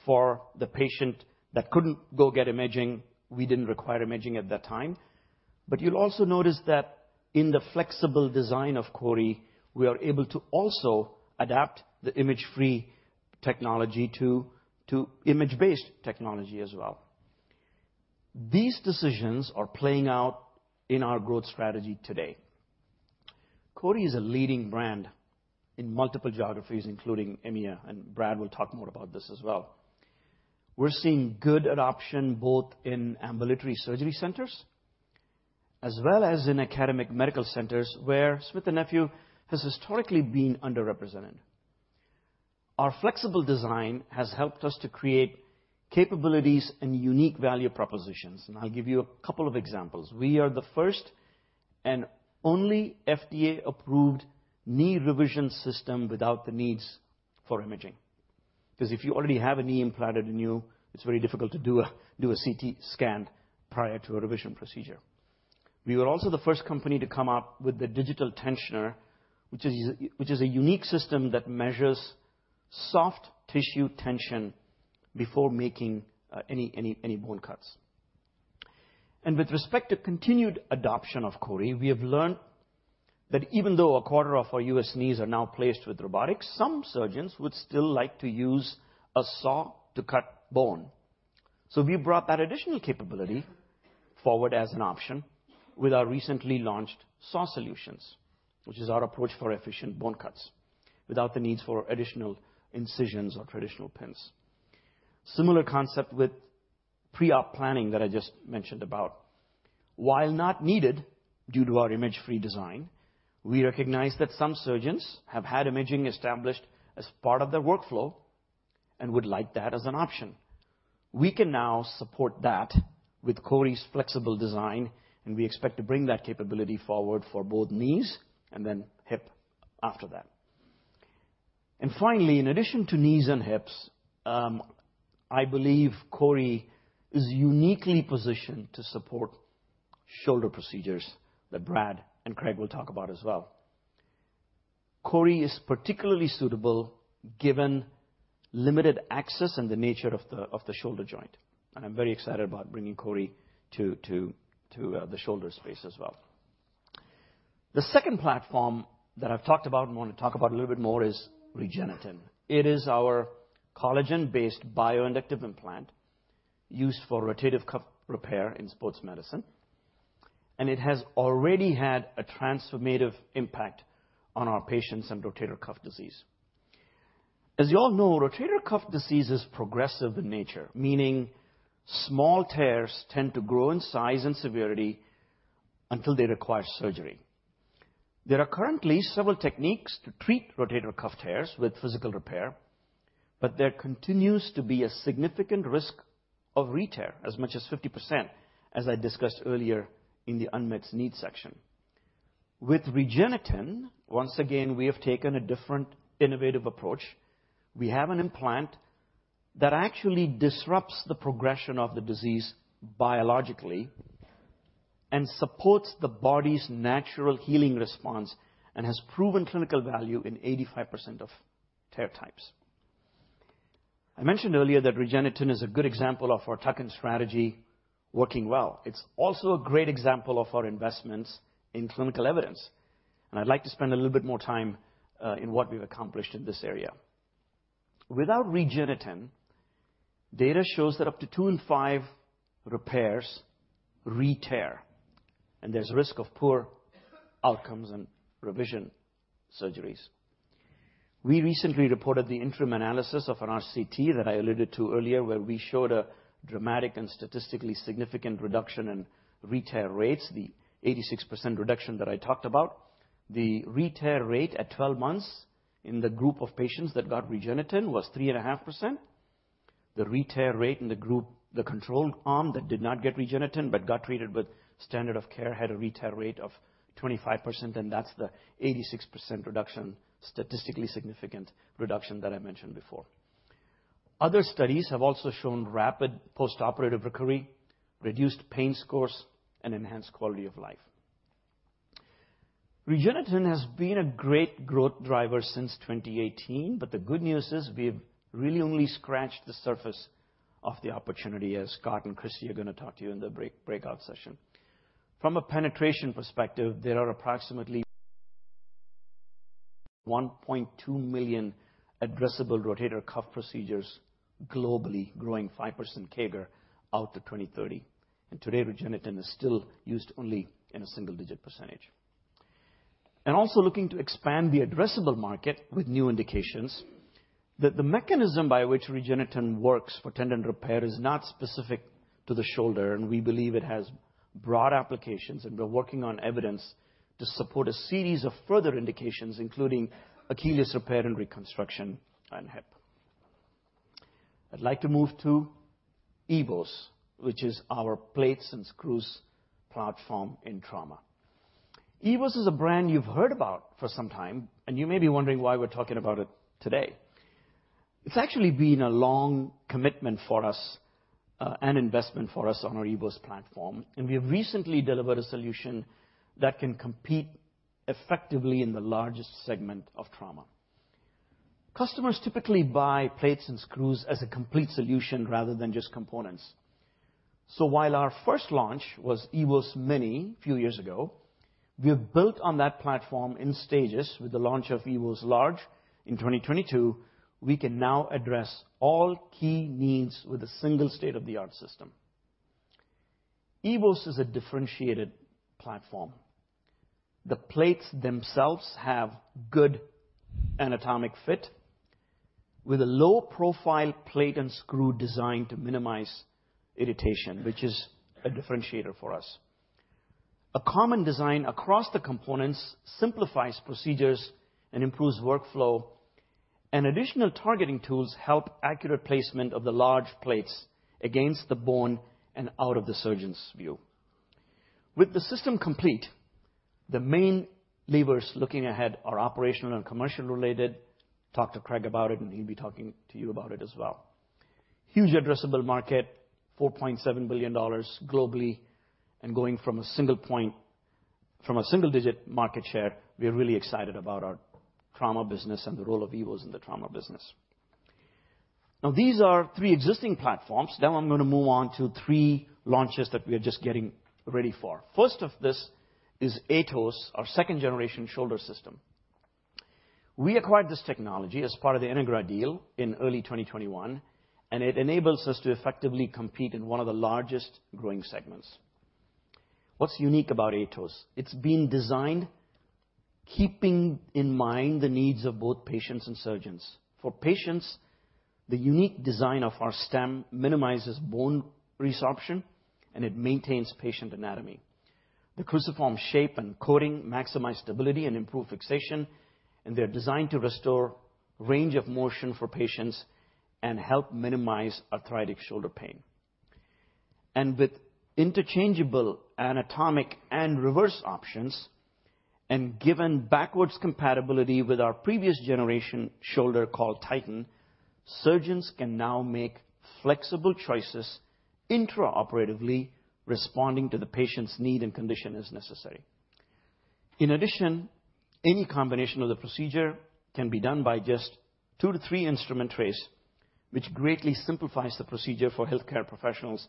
For the patient that couldn't go get imaging, we didn't require imaging at that time. You'll also notice that in the flexible design of CORI, we are able to also adapt the image-free technology to image-based technology as well. These decisions are playing out in our growth strategy today. CORI is a leading brand in multiple geographies, including EMEA. Brad will talk more about this as well. We're seeing good adoption both in ambulatory surgery centers as well as in academic medical centers where Smith & Nephew has historically been underrepresented. Our flexible design has helped us to create capabilities and unique value propositions. I'll give you a couple of examples. We are the first and only FDA-approved knee revision system without the needs for imaging. Because if you already have a knee implanted in you, it's very difficult to do a CT scan prior to a revision procedure. We were also the first company to come up with the digital tensioner, which is a unique system that measures soft tissue tension before making any bone cuts. With respect to continued adoption of CORI, we have learned that even though 25% of our U.S. knees are now placed with robotics, some surgeons would still like to use a saw to cut bone. We brought that additional capability forward as an option with our recently launched saw solutions, which is our approach for efficient bone cuts without the needs for additional incisions or traditional pins. Similar concept with pre-op planning that I just mentioned about. While not needed due to our image-free design, we recognize that some surgeons have had imaging established as part of their workflow and would like that as an option. We can now support that with CORI's flexible design, and we expect to bring that capability forward for both knees and then hip after that. Finally, in addition to knees and hips, I believe CORI is uniquely positioned to support shoulder procedures that Brad and Craig will talk about as well. CORI is particularly suitable given limited access and the nature of the shoulder joint. I'm very excited about bringing CORI to the shoulder space as well. The second platform that I've talked about and want to talk about a little bit more is REGENETEN. It is our collagen-based bioinductive implant used for rotator cuff repair in sports medicine. It has already had a transformative impact on our patients and rotator cuff disease. As you all know, rotator cuff disease is progressive in nature, meaning small tears tend to grow in size and severity until they require surgery. There are currently several techniques to treat rotator cuff tears with physical repair, but there continues to be a significant risk of retear, as much as 50%, as I discussed earlier in the unmet needs section. With REGENETEN, once again, we have taken a different innovative approach. We have an implant that actually disrupts the progression of the disease biologically and supports the body's natural healing response and has proven clinical value in 85% of tear types. I mentioned earlier that REGENETEN is a good example of our tuck-in strategy working well. It's also a great example of our investments in clinical evidence. I'd like to spend a little bit more time in what we've accomplished in this area. Without REGENETEN, data shows that up to two in five repairs retear, and there's risk of poor outcomes and revision surgeries. We recently reported the interim analysis of an RCT that I alluded to earlier, where we showed a dramatic and statistically significant reduction in retear rates, the 86% reduction that I talked about. The retear rate at 12 months in the group of patients that got REGENETEN was 3.5%. The retear rate in the group, the controlled arm that did not get REGENETEN but got treated with standard of care, had a retear rate of 25%. That's the 86% reduction, statistically significant reduction that I mentioned before. Other studies have also shown rapid postoperative recovery, reduced pain scores, and enhanced quality of life. REGENETEN has been a great growth driver since 2018, the good news is we've really only scratched the surface of the opportunity, as Scott and Christie are going to talk to you in the breakout session. From a penetration perspective, there are approximately 1.2 million addressable rotator cuff procedures globally, growing 5% CAGR out to 2030. Today, REGENETEN is still used only in a single-digit percentage. Also looking to expand the addressable market with new indications, the mechanism by which REGENETEN works for tendon repair is not specific to the shoulder, and we believe it has broad applications. We're working on evidence to support a series of further indications, including Achilles repair and reconstruction and hip. I'd like to move to EVOS, which is our plates and screws platform in trauma. EVOS is a brand you've heard about for some time, and you may be wondering why we're talking about it today. It's actually been a long commitment for us and investment for us on our EVOS platform. We have recently delivered a solution that can compete effectively in the largest segment of Trauma. Customers typically buy plates and screws as a complete solution rather than just components. While our first launch was EVOS MINI a few years ago, we have built on that platform in stages. With the launch of EVOS LARGE in 2022, we can now address all key needs with a single state-of-the-art system. EVOS is a differentiated platform. The plates themselves have good anatomic fit with a low-profile plate and screw designed to minimize irritation, which is a differentiator for us. A common design across the components simplifies procedures and improves workflow. Additional targeting tools help accurate placement of the large plates against the bone and out of the surgeon's view. With the system complete, the main levers looking ahead are operational and commercial-related. Talk to Craig about it, he'll be talking to you about it as well. Huge addressable market, $4.7 billion globally. Going from a single point from a single-digit market share, we are really excited about our Trauma business and the role of EVOS in the Trauma business. Now, these are three existing platforms. Now, I'm going to move on to three launches that we are just getting ready for. First of this is AETOS, our second-generation shoulder system. We acquired this technology as part of the Integra deal in early 2021, and it enables us to effectively compete in one of the largest growing segments. What's unique about AETOS? It's been designed keeping in mind the needs of both patients and surgeons. For patients, the unique design of our stem minimizes bone resorption, and it maintains patient anatomy. The cruciform shape and coating maximize stability and improve fixation. They're designed to restore range of motion for patients and help minimize arthritic shoulder pain. With interchangeable anatomic and reverse options and given backwards compatibility with our previous generation shoulder called TITAN, surgeons can now make flexible choices intraoperatively, responding to the patient's need and condition as necessary. In addition, any combination of the procedure can be done by just two to three instrument trays, which greatly simplifies the procedure for healthcare professionals,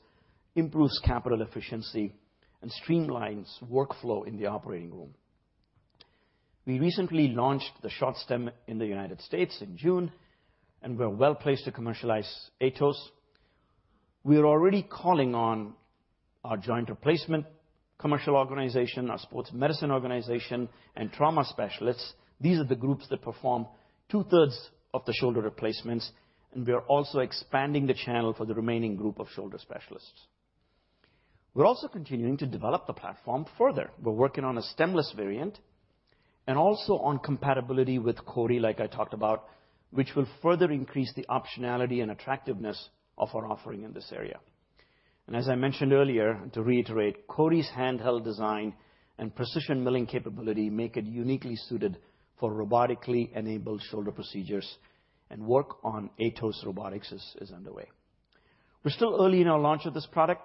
improves capital efficiency, and streamlines workflow in the operating room. We recently launched the short stem in the United States in June, and we're well placed to commercialize AETOS. We are already calling on our joint replacement commercial organization, our sports medicine organization, and trauma specialists. These are the groups that perform 2/3 of the shoulder replacements. We are also expanding the channel for the remaining group of shoulder specialists. We're also continuing to develop the platform further. We're working on a stemless variant and also on compatibility with CORI, like I talked about, which will further increase the optionality and attractiveness of our offering in this area. As I mentioned earlier, to reiterate, CORI's handheld design and precision milling capability make it uniquely suited for robotically enabled shoulder procedures. Work on AETOS Robotics is underway. We're still early in our launch of this product,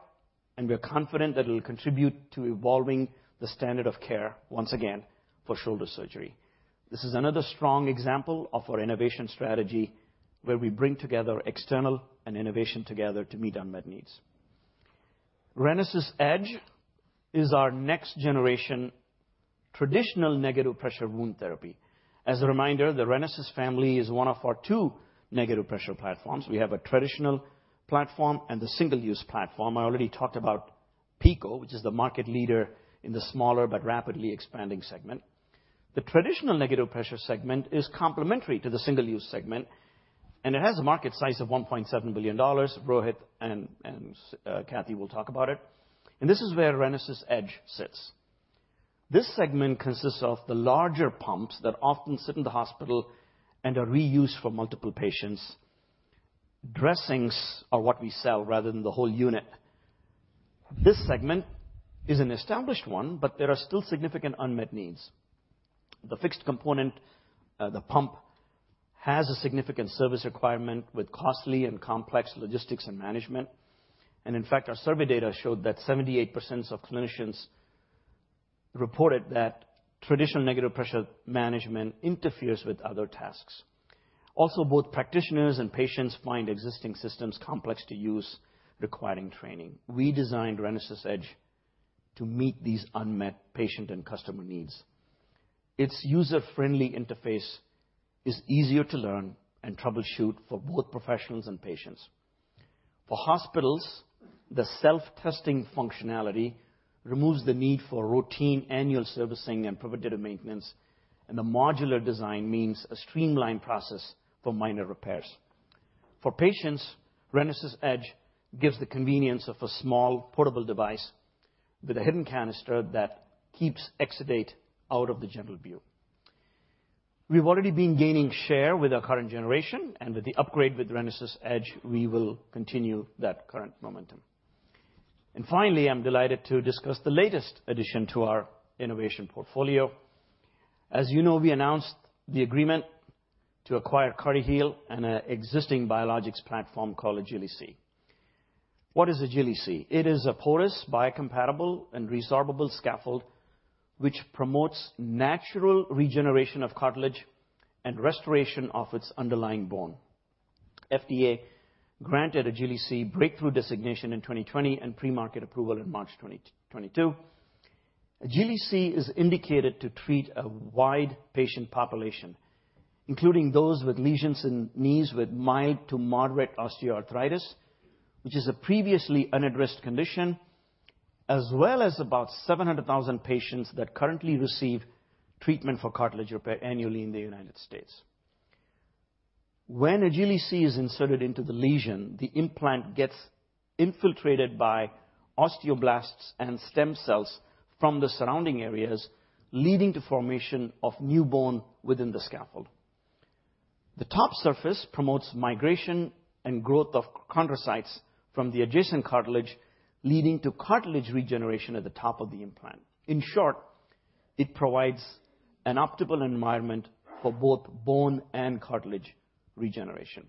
and we're confident that it'll contribute to evolving the standard of care once again for shoulder surgery. This is another strong example of our innovation strategy where we bring together external and innovation together to meet unmet needs. RENASYS EDGE is our next-generation traditional negative pressure wound therapy. As a reminder, the RENASYS family is one of our two negative pressure platforms. We have a traditional platform and the single-use platform. I already talked about PICO, which is the market leader in the smaller but rapidly expanding segment. The traditional negative pressure segment is complementary to the single-use segment. It has a market size of $1.7 billion. Rohit and Cathy will talk about it. This is where RENASYS EDGE sits. This segment consists of the larger pumps that often sit in the hospital and are reused for multiple patients, dressings are what we sell rather than the whole unit. This segment is an established one. There are still significant unmet needs. The fixed component, the pump, has a significant service requirement with costly and complex logistics and management. In fact, our survey data showed that 78% of clinicians reported that traditional negative pressure management interferes with other tasks. Also, both practitioners and patients find existing systems complex to use, requiring training. We designed RENASYS EDGE to meet these unmet patient and customer needs. Its user-friendly interface is easier to learn and troubleshoot for both professionals and patients. For hospitals, the self-testing functionality removes the need for routine annual servicing and preventative maintenance. The modular design means a streamlined process for minor repairs. For patients, RENASYS EDGE gives the convenience of a small portable device with a hidden canister that keeps exudate out of the general view. We've already been gaining share with our current generation. With the upgrade with RENASYS EDGE, we will continue that current momentum. Finally, I'm delighted to discuss the latest addition to our innovation portfolio. As you know, we announced the agreement to acquire CartiHeal and an existing biologics platform called AGILI-C. What is AGILI-C? It is a porous, biocompatible, and resorbable scaffold which promotes natural regeneration of cartilage and restoration of its underlying bone. FDA granted AGILI-C breakthrough designation in 2020 and pre-market approval in March 2022. AGILI-C is indicated to treat a wide patient population, including those with lesions in knees with mild to moderate osteoarthritis, which is a previously unaddressed condition, as well as about 700,000 patients that currently receive treatment for cartilage repair annually in the United States. When AGILI-C is inserted into the lesion, the implant gets infiltrated by osteoblasts and stem cells from the surrounding areas, leading to formation of new bone within the scaffold. The top surface promotes migration and growth of chondrocytes from the adjacent cartilage, leading to cartilage regeneration at the top of the implant. In short, it provides an optimal environment for both bone and cartilage regeneration.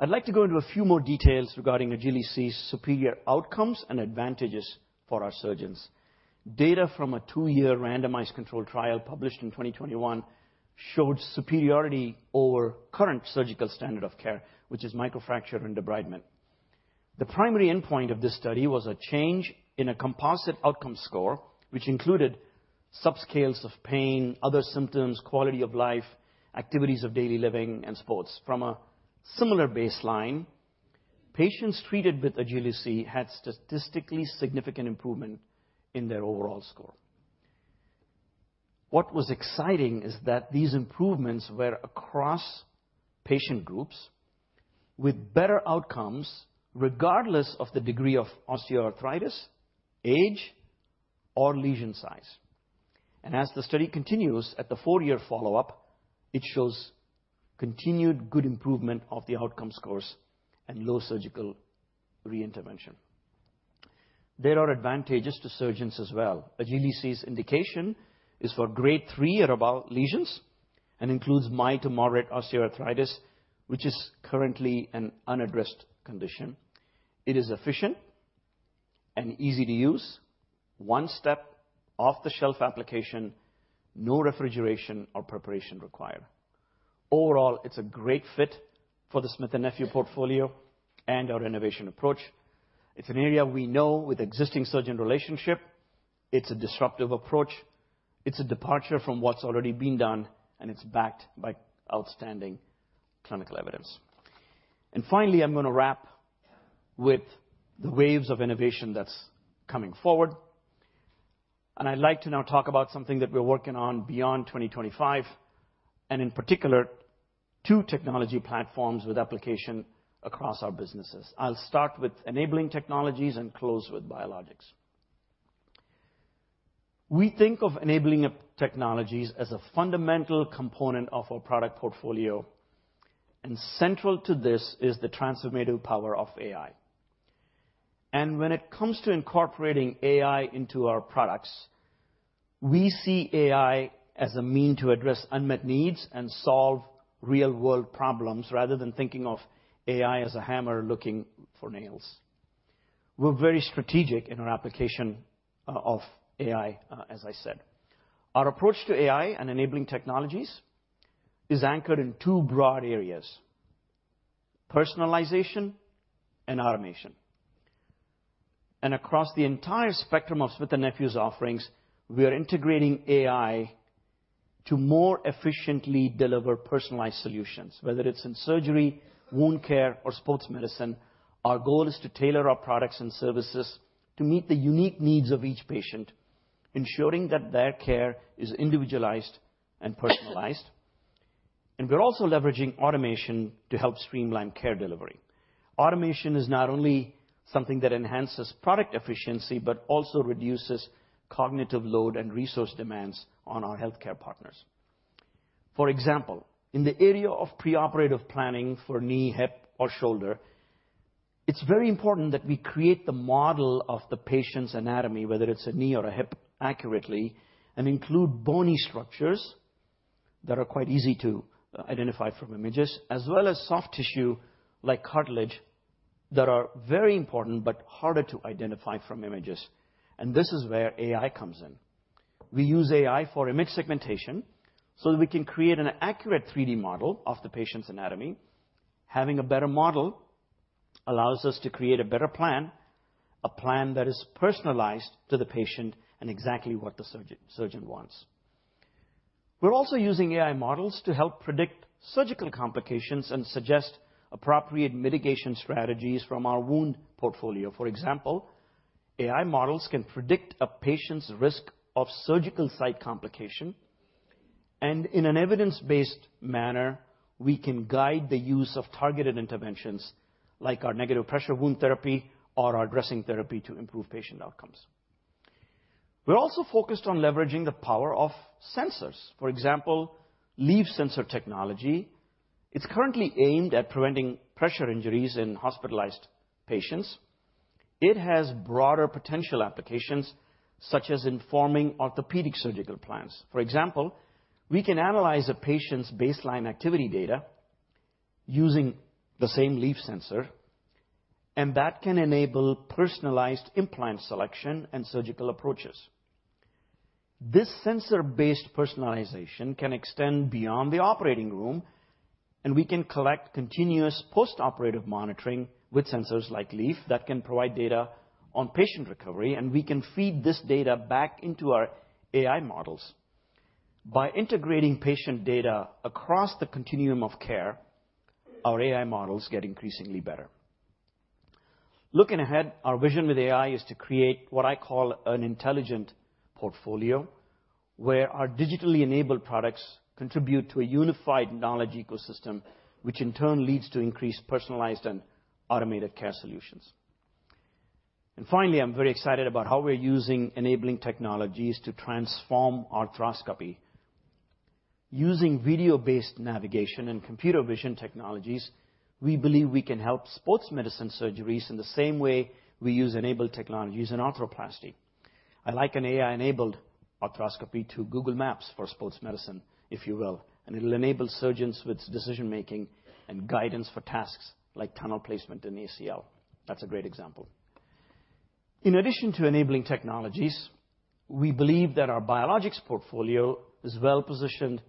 I'd like to go into a few more details regarding AGILI-C's superior outcomes and advantages for our surgeons. Data from a two-year randomized controlled trial published in 2021 showed superiority over current surgical standard of care, which is microfracture and debridement. The primary endpoint of this study was a change in a composite outcome score, which included subscales of pain, other symptoms, quality of life, activities of daily living, and sports. From a similar baseline, patients treated with AGILI-C had statistically significant improvement in their overall score. What was exciting is that these improvements were across patient groups with better outcomes regardless of the degree of osteoarthritis, age, or lesion size. As the study continues at the four-year follow-up, it shows continued good improvement of the outcome scores and low surgical reintervention. There are advantages to surgeons as well. AGILI-C's indication is for grade three or above lesions and includes mild to moderate osteoarthritis, which is currently an unaddressed condition. It is efficient and easy to use, one-step off-the-shelf application, no refrigeration or preparation required. Overall, it's a great fit for the Smith & Nephew portfolio and our innovation approach. It's an area we know with existing surgeon relationship. It's a disruptive approach. It's a departure from what's already been done, and it's backed by outstanding clinical evidence. Finally, I'm going to wrap with the waves of innovation that's coming forward. I'd like to now talk about something that we're working on beyond 2025, and in particular, two technology platforms with application across our businesses. I'll start with enabling technologies and close with biologics. We think of enabling technologies as a fundamental component of our product portfolio. Central to this is the transformative power of AI. When it comes to incorporating AI into our products, we see AI as a mean to address unmet needs and solve real-world problems rather than thinking of AI as a hammer looking for nails. We're very strategic in our application of AI, as I said. Our approach to AI and enabling technologies is anchored in two broad areas: personalization and automation. Across the entire spectrum of Smith & Nephew's offerings, we are integrating AI to more efficiently deliver personalized solutions, whether it's in surgery, wound care, or sports medicine. Our goal is to tailor our products and services to meet the unique needs of each patient, ensuring that their care is individualized and personalized. We're also leveraging automation to help streamline care delivery. Automation is not only something that enhances product efficiency but also reduces cognitive load and resource demands on our healthcare partners. For example, in the area of preoperative planning for knee, hip, or shoulder, it's very important that we create the model of the patient's anatomy, whether it's a knee or a hip, accurately and include bony structures that are quite easy to identify from images, as well as soft tissue like cartilage that are very important but harder to identify from images. This is where AI comes in. We use AI for image segmentation so that we can create an accurate 3D model of the patient's anatomy. Having a better model allows us to create a better plan, a plan that is personalized to the patient and exactly what the surgeon wants. We're also using AI models to help predict surgical complications and suggest appropriate mitigation strategies from our wound portfolio. For example, AI models can predict a patient's risk of surgical site complication. In an evidence-based manner, we can guide the use of targeted interventions like our negative pressure wound therapy or our dressing therapy to improve patient outcomes. We're also focused on leveraging the power of sensors. For example, Leaf sensor technology. It's currently aimed at preventing pressure injuries in hospitalized patients. It has broader potential applications, such as informing orthopedic surgical plans. For example, we can analyze a patient's baseline activity data using the same Leaf sensor. That can enable personalized implant selection and surgical approaches. This sensor-based personalization can extend beyond the operating room. We can collect continuous post-operative monitoring with sensors like Leaf that can provide data on patient recovery. We can feed this data back into our AI models. By integrating patient data across the continuum of care, our AI models get increasingly better. Looking ahead, our vision with AI is to create what I call an intelligent portfolio where our digitally enabled products contribute to a unified knowledge ecosystem, which in turn leads to increased personalized and automated care solutions. Finally, I'm very excited about how we're using enabling technologies to transform arthroscopy. Using video-based navigation and computer vision technologies, we believe we can help sports medicine surgeries in the same way we use enabled technologies in arthroplasty. I like an AI-enabled arthroscopy to Google Maps for sports medicine, if you will. It'll enable surgeons with decision-making and guidance for tasks like tunnel placement in ACL. That's a great example. In addition to enabling technologies, we believe that our biologics portfolio is well-positioned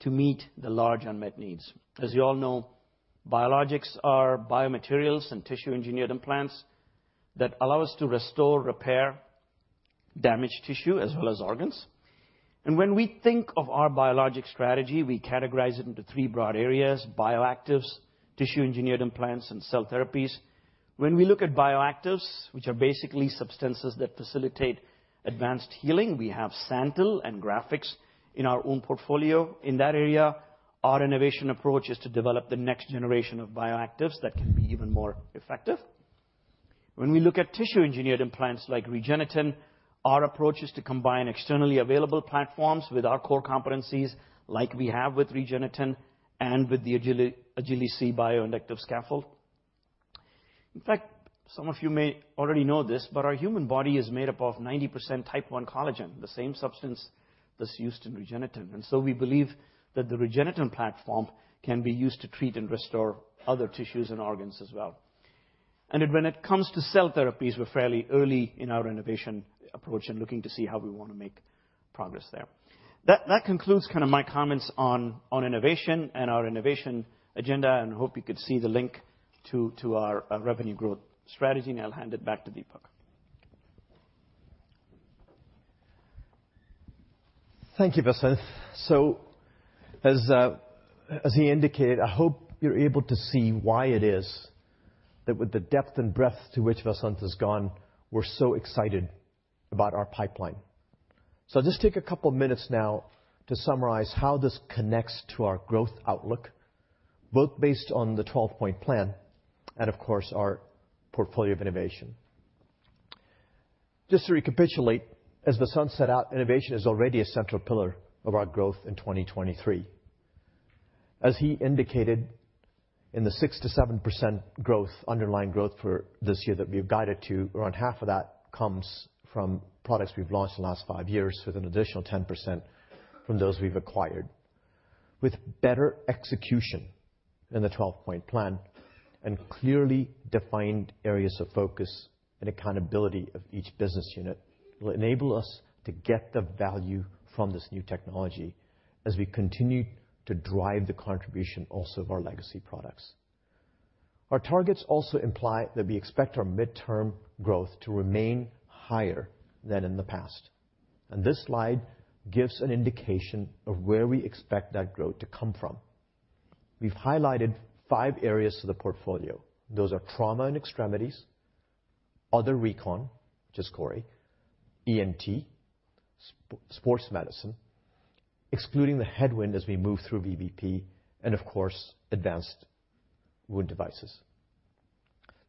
to meet the large unmet needs. As you all know, biologics are biomaterials and tissue-engineered implants that allow us to restore, repair damaged tissue as well as organs. When we think of our biologic strategy, we categorize it into three broad areas: bioactives, tissue-engineered implants, and cell therapies. When we look at bioactives, which are basically substances that facilitate advanced healing, we have SANTYL and GRAFIX in our own portfolio. In that area, our innovation approach is to develop the next generation of bioactives that can be even more effective. When we look at tissue-engineered implants like REGENETEN, our approach is to combine externally available platforms with our core competencies like we have with REGENETEN and with the AGILI-C Bioinductive Scaffold. In fact, some of you may already know this, but our human body is made up of 90% type I collagen, the same substance that's used in REGENETEN. We believe that the REGENETEN platform can be used to treat and restore other tissues and organs as well. When it comes to cell therapies, we're fairly early in our innovation approach and looking to see how we want to make progress there. That concludes kind of my comments on innovation and our innovation agenda. I hope you could see the link to our revenue growth strategy. I'll hand it back to Deepak. Thank you, Vasant. As he indicated, I hope you're able to see why it is that with the depth and breadth to which Vasant has gone, we're so excited about our pipeline. I'll just take a couple of minutes now to summarize how this connects to our growth outlook, both based on the 12-Point Plan and, of course, our portfolio of innovation. To recapitulate, as Vasant set out, innovation is already a central pillar of our growth in 2023. As he indicated, in the 6%-7% underlying growth for this year that we've guided to, around half of that comes from products we've launched in the last five years, with an additional 10% from those we've acquired. With better execution in the 12-Point Plan and clearly defined areas of focus and accountability of each business unit, it'll enable us to get the value from this new technology as we continue to drive the contribution also of our legacy products. Our targets also imply that we expect our midterm growth to remain higher than in the past. This slide gives an indication of where we expect that growth to come from. We've highlighted five areas of the portfolio. Those are Trauma & Extremities, other recon, just CORI, ENT, Sports Medicine, excluding the headwind as we move through VVP, and, of course, advanced wound devices.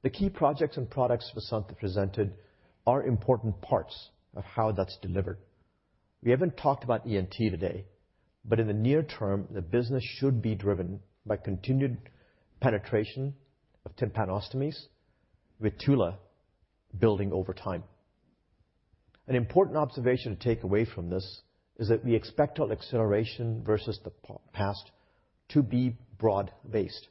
The key projects and products Vasant presented are important parts of how that's delivered. We haven't talked about ENT today. In the near term, the business should be driven by continued penetration of tympanostomies, with Tula building over time. An important observation to take away from this is that we expect our acceleration versus the past to be broad-based.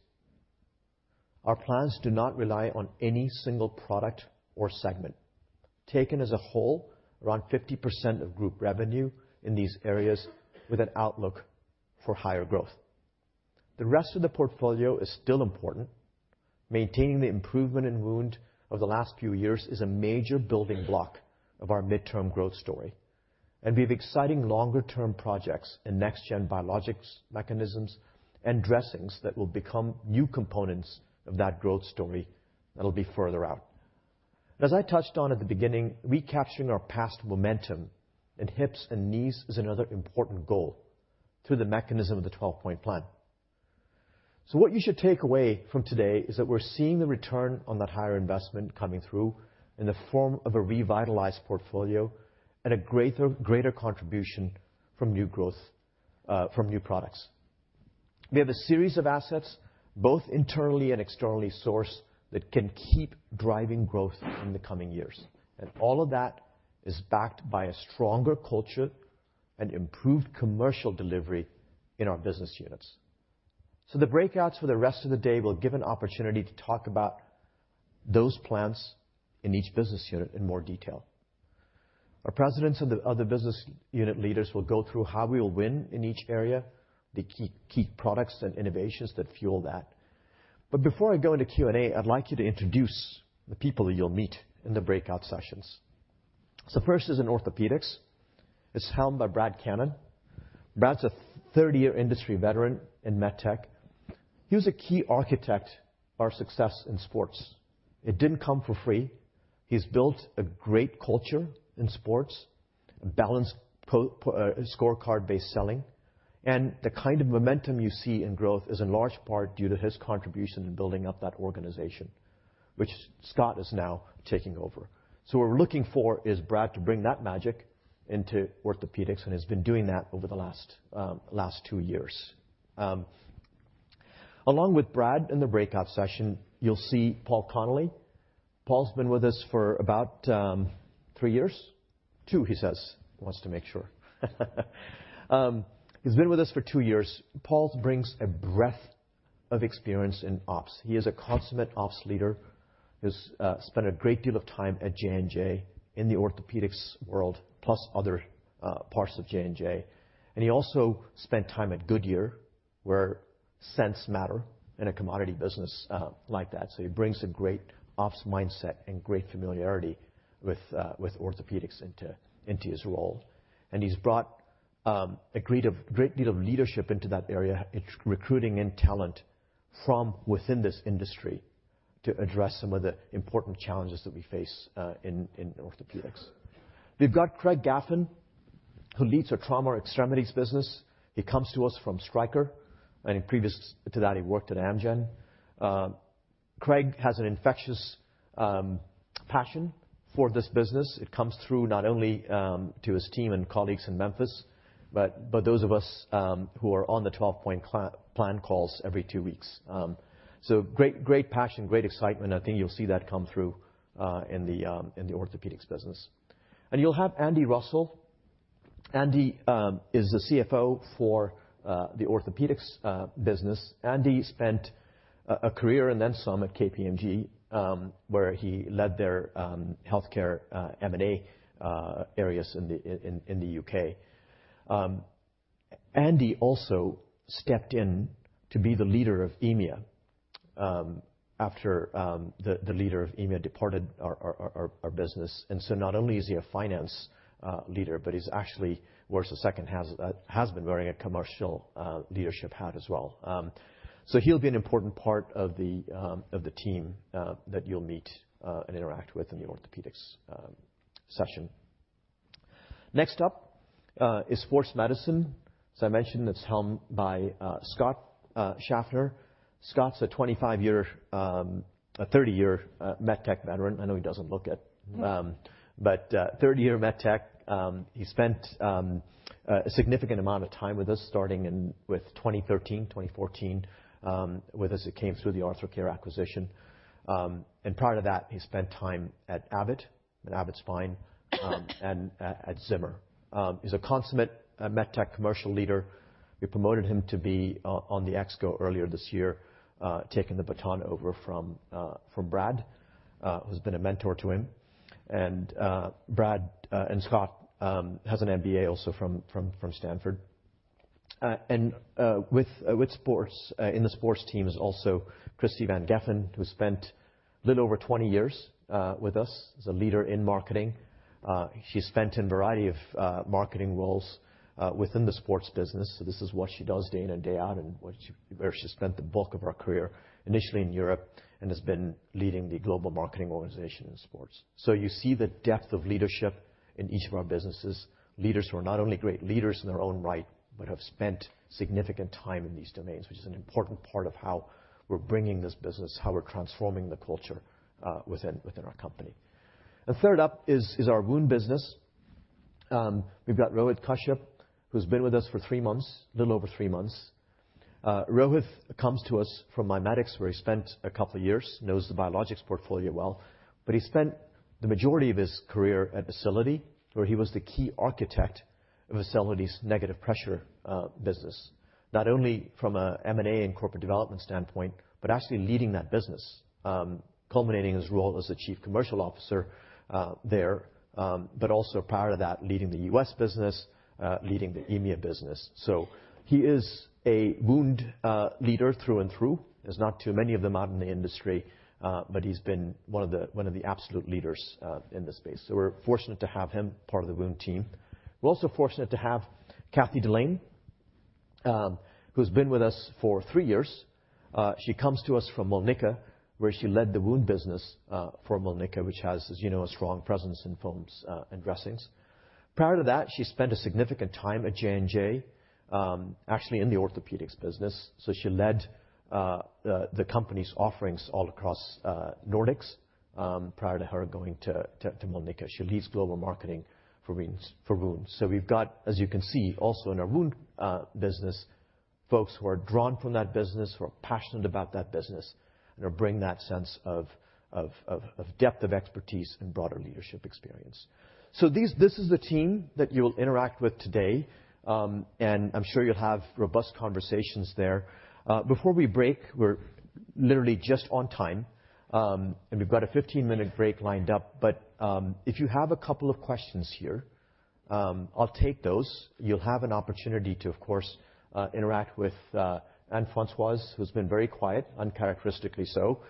Our plans do not rely on any single product or segment. Taken as a whole, around 50% of group revenue in these areas with an outlook for higher growth. The rest of the portfolio is still important. Maintaining the improvement in wound of the last few years is a major building block of our midterm growth story. We have exciting longer-term projects in next-gen biologics mechanisms and dressings that will become new components of that growth story that'll be further out. As I touched on at the beginning, recapturing our past momentum in hips and knees is another important goal through the mechanism of the 12-Point Plan. What you should take away from today is that we're seeing the return on that higher investment coming through in the form of a revitalized portfolio and a greater contribution from new growth from new products. We have a series of assets, both internally and externally sourced, that can keep driving growth in the coming years. All of that is backed by a stronger culture and improved commercial delivery in our business units. The breakouts for the rest of the day will give an opportunity to talk about those plans in each business unit in more detail. Our presidents and the other business unit leaders will go through how we will win in each area, the key products and innovations that fuel that. Before I go into Q&A, I'd like you to introduce the people that you'll meet in the breakout sessions. First is in orthopedics. It's helmed by Brad Cannon. Brad's a 30-year industry veteran in medtech. He was a key architect of our success in sports. It didn't come for free. He's built a great culture in sports, a balanced scorecard-based selling. The kind of momentum you see in growth is in large part due to his contribution in building up that organization, which Scott is now taking over. What we're looking for is Brad to bring that magic into orthopedics. He's been doing that over the last two years. Along with Brad in the breakout session, you'll see Paul Connolly. Paul's been with us for about three years. Two, he says. He wants to make sure. He's been with us for two years. Paul brings a breadth of experience in ops. He is a consummate ops leader. He's spent a great deal of time at J&J in the orthopedics world, plus other parts of J&J. He also spent time at Goodyear, where scents matter in a commodity business like that. He brings a great ops mindset and great familiarity with orthopedics into his role. He's brought a great deal of leadership into that area, recruiting in talent from within this industry to address some of the important challenges that we face in orthopedics. We've got Craig Gaffin, who leads our Trauma & Extremities business. He comes to us from Stryker. In previous to that, he worked at Amgen. Craig has an infectious passion for this business. It comes through not only to his team and colleagues in Memphis but those of us who are on the 12-Point Plan calls every two weeks. Great passion, great excitement. I think you'll see that come through in the Orthopaedics business. You'll have Andy Russell. Andy is the CFO for the Orthopaedics business. Andy spent a career and then some at KPMG, where he led their healthcare M&A areas in the U.K. Andy also stepped in to be the leader of EMEA after the leader of EMEA departed our business. Not only is he a finance leader, but he's actually, worse the second, has been wearing a commercial leadership hat as well. So he'll be an important part of the team that you'll meet and interact with in the orthopaedics session. Next up is Sports Medicine. As I mentioned, it's helmed by Scott Schaffner. Scott's a 25-year a 30-year medtech veteran. I know he doesn't look at but 30-year medtech. He spent a significant amount of time with us starting with 2013, 2014 with us. It came through the ArthroCare acquisition. Prior to that, he spent time at Abbott and Abbott Spine and at Zimmer. He's a consummate medtech commercial leader. We promoted him to be on the Exco earlier this year, taking the baton over from Brad, who's been a mentor to him. Brad and Scott has an MBA also from Stanford. With sports, in the sports team is also Christie Van Geffen, who spent a little over 20 years with us as a leader in marketing. She spent in a variety of marketing roles within the sports business. This is what she does day in and day out and where she spent the bulk of her career, initially in Europe, and has been leading the global marketing organization in sports. You see the depth of leadership in each of our businesses, leaders who are not only great leaders in their own right but have spent significant time in these domains, which is an important part of how we're bringing this business, how we're transforming the culture within our company. Third up is our wound business. We've got Rohit Kashyap, who's been with us for three months, a little over three months. Rohit comes to us from MIMEDX, where he spent a couple of years, knows the biologics portfolio well. He spent the majority of his career at Acelity, where he was the key architect of Acelity's negative pressure business, not only from an M&A and corporate development standpoint but actually leading that business, culminating his role as the chief commercial officer there. Also prior to that, leading the U.S. business, leading the EMEA business. He is a wound leader through and through. There's not too many of them out in the industry. He's been one of the absolute leaders in this space. We're fortunate to have him part of the wound team. We're also fortunate to have Cathy Dalene, who's been with us for three years. She comes to us from Mölnlycke, where she led the wound business for Mölnlycke, which has, as you know, a strong presence in films and dressings. Prior to that, she spent a significant time at J&J, actually in the orthopedics business. She led the company's offerings all across Nordics prior to her going to Mölnlycke. She leads Global Marketing for Wounds. We've got, as you can see, also in our Wound business, folks who are drawn from that business, who are passionate about that business, and who bring that sense of depth of expertise and broader leadership experience. This is the team that you will interact with today. I'm sure you'll have robust conversations there. Before we break, we're literally just on time. We've got a 15-minute break lined up. If you have a couple of questions here, I'll take those. You'll have an opportunity to, of course, interact with Anne-Françoise, who's been very quiet, uncharacteristically so.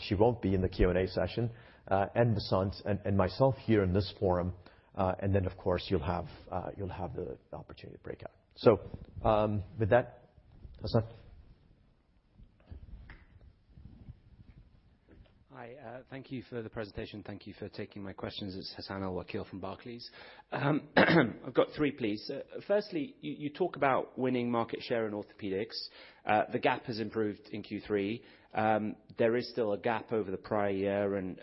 She won't be in the Q&A session, and Vasant, and myself here in this forum. Then, of course, you'll have the opportunity to break out. With that, Vasant. Hi. Thank you for the presentation. Thank you for taking my questions. It's Hassan Al-Wakeel from Barclays. I've got three, please. Firstly, you talk about winning market share in orthopedics. The gap has improved in Q3. There is still a gap over the prior year.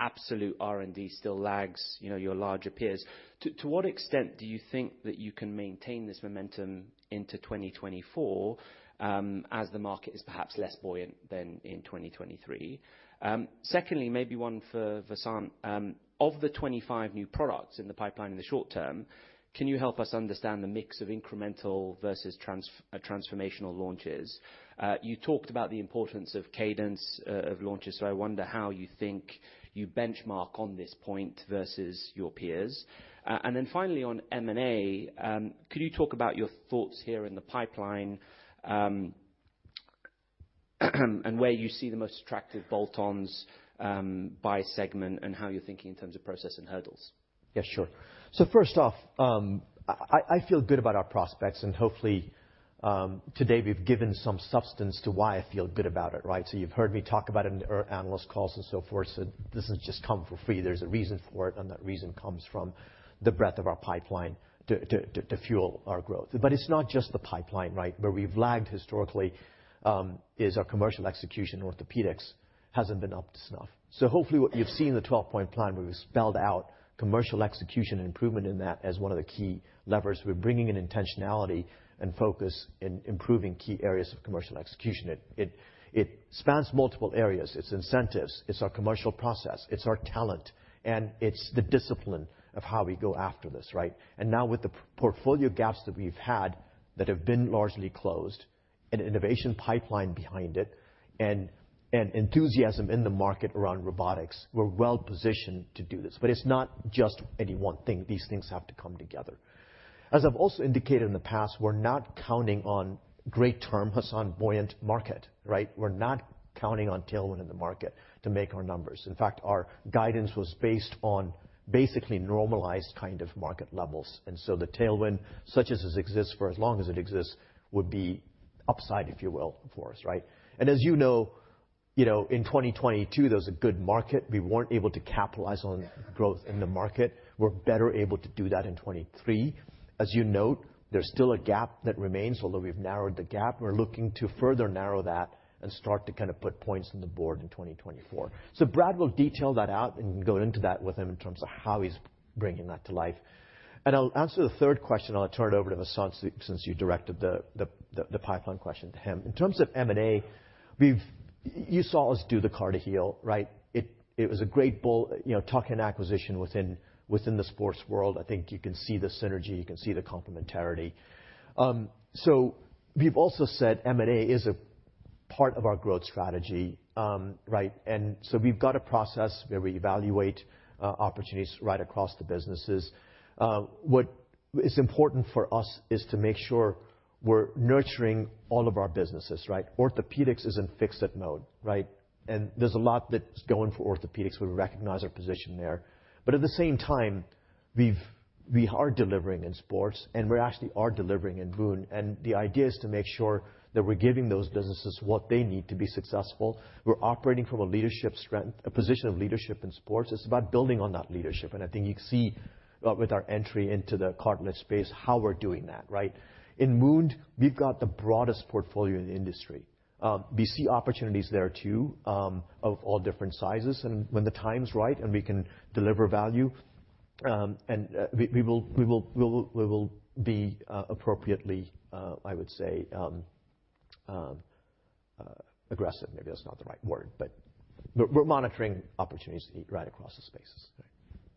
Absolute R&D still lags your larger peers. To what extent do you think that you can maintain this momentum into 2024 as the market is perhaps less buoyant than in 2023? Secondly, maybe one for Vasant. Of the 25 new products in the pipeline in the short term, can you help us understand the mix of incremental versus transformational launches? You talked about the importance of cadence of launches. I wonder how you think you benchmark on this point versus your peers? Then finally, on M&A, could you talk about your thoughts here in the pipeline and where you see the most attractive bolt-ons by segment and how you're thinking in terms of process and hurdles? Yes, sure. First off, I feel good about our prospects. Hopefully, today, we've given some substance to why I feel good about it, right? You've heard me talk about it in the early analyst calls and so forth. This has just come for free. There's a reason for it. That reason comes from the breadth of our pipeline to fuel our growth. It's not just the pipeline, right? Where we've lagged historically is our commercial execution in Orthopaedics hasn't been up to snuff. Hopefully, what you've seen in the 12-Point Plan, where we've spelled out commercial execution and improvement in that as one of the key levers, we're bringing in intentionality and focus in improving key areas of commercial execution. It spans multiple areas. It's incentives. It's our commercial process. It's our talent. It's the discipline of how we go after this, right? Now, with the portfolio gaps that we've had that have been largely closed, an innovation pipeline behind it, and enthusiasm in the market around robotics, we're well positioned to do this. It's not just any one thing. These things have to come together. As I've also indicated in the past, we're not counting on great-term, Hassan, buoyant market, right? We're not counting on tailwind in the market to make our numbers. In fact, our guidance was based on basically normalized kind of market levels. The tailwind, such as it exists for as long as it exists, would be upside, if you will, for us, right? As you know, in 2022, there was a good market. We weren't able to capitalize on growth in the market. We're better able to do that in 2023. As you note, there's still a gap that remains, although we've narrowed the gap. We're looking to further narrow that and start to kind of put points on the board in 2024. Brad will detail that out and go into that with him in terms of how he's bringing that to life. I'll answer the third question. I'll turn it over to Vasant, since you directed the pipeline question to him. In terms of M&A, you saw us do the CartiHeal, right? It was a great talking acquisition within the sports world. I think you can see the synergy. You can see the complementarity. We've also said M&A is a part of our growth strategy, right? We've got a process where we evaluate opportunities right across the businesses. What is important for us is to make sure we're nurturing all of our businesses, right? Orthopedics is in fixed mode, right? There's a lot that's going for Orthopedics. We recognize our position there. At the same time, we are delivering in Sports. We actually are delivering in Wound. The idea is to make sure that we're giving those businesses what they need to be successful. We're operating from a position of leadership in Sports. It's about building on that leadership. I think you can see with our entry into the cartilage space how we're doing that, right? In Wound, we've got the broadest portfolio in the industry. We see opportunities there too of all different sizes. When the time's right and we can deliver value, we will be appropriately, I would say, aggressive. Maybe that's not the right word. We're monitoring opportunities right across the spaces, right?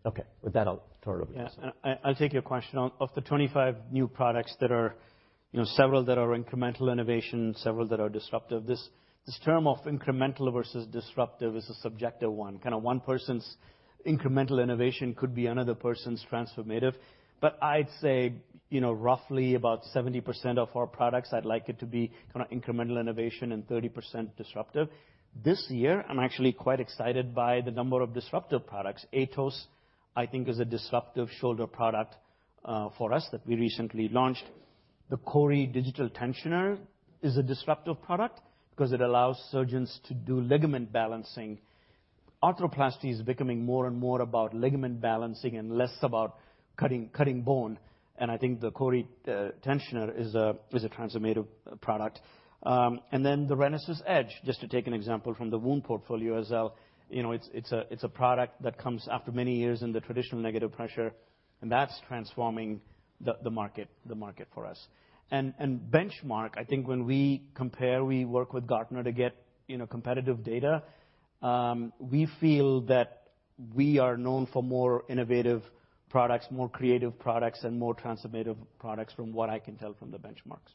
Okay. With that, I'll turn it over to Vasant. Yeah. I'll take your question. Of the 25 new products, several that are incremental innovation, several that are disruptive, this term of incremental versus disruptive is a subjective one. Kind of one person's incremental innovation could be another person's transformative. I'd say roughly about 70% of our products, I'd like it to be kind of incremental innovation and 30% disruptive. This year, I'm actually quite excited by the number of disruptive products. AETOS, I think, is a disruptive shoulder product for us that we recently launched. The CORI Digital Tensioner is a disruptive product because it allows surgeons to do ligament balancing. Arthroplasty is becoming more and more about ligament balancing and less about cutting bone. I think the CORI Tensioner is a transformative product. Then the RENASYS EDGE, just to take an example from the wound portfolio as well, it's a product that comes after many years in the traditional negative pressure. That's transforming the market for us. Benchmark, I think when we compare, we work with Gartner to get competitive data. We feel that we are known for more innovative products, more creative products, and more transformative products from what I can tell from the benchmarks.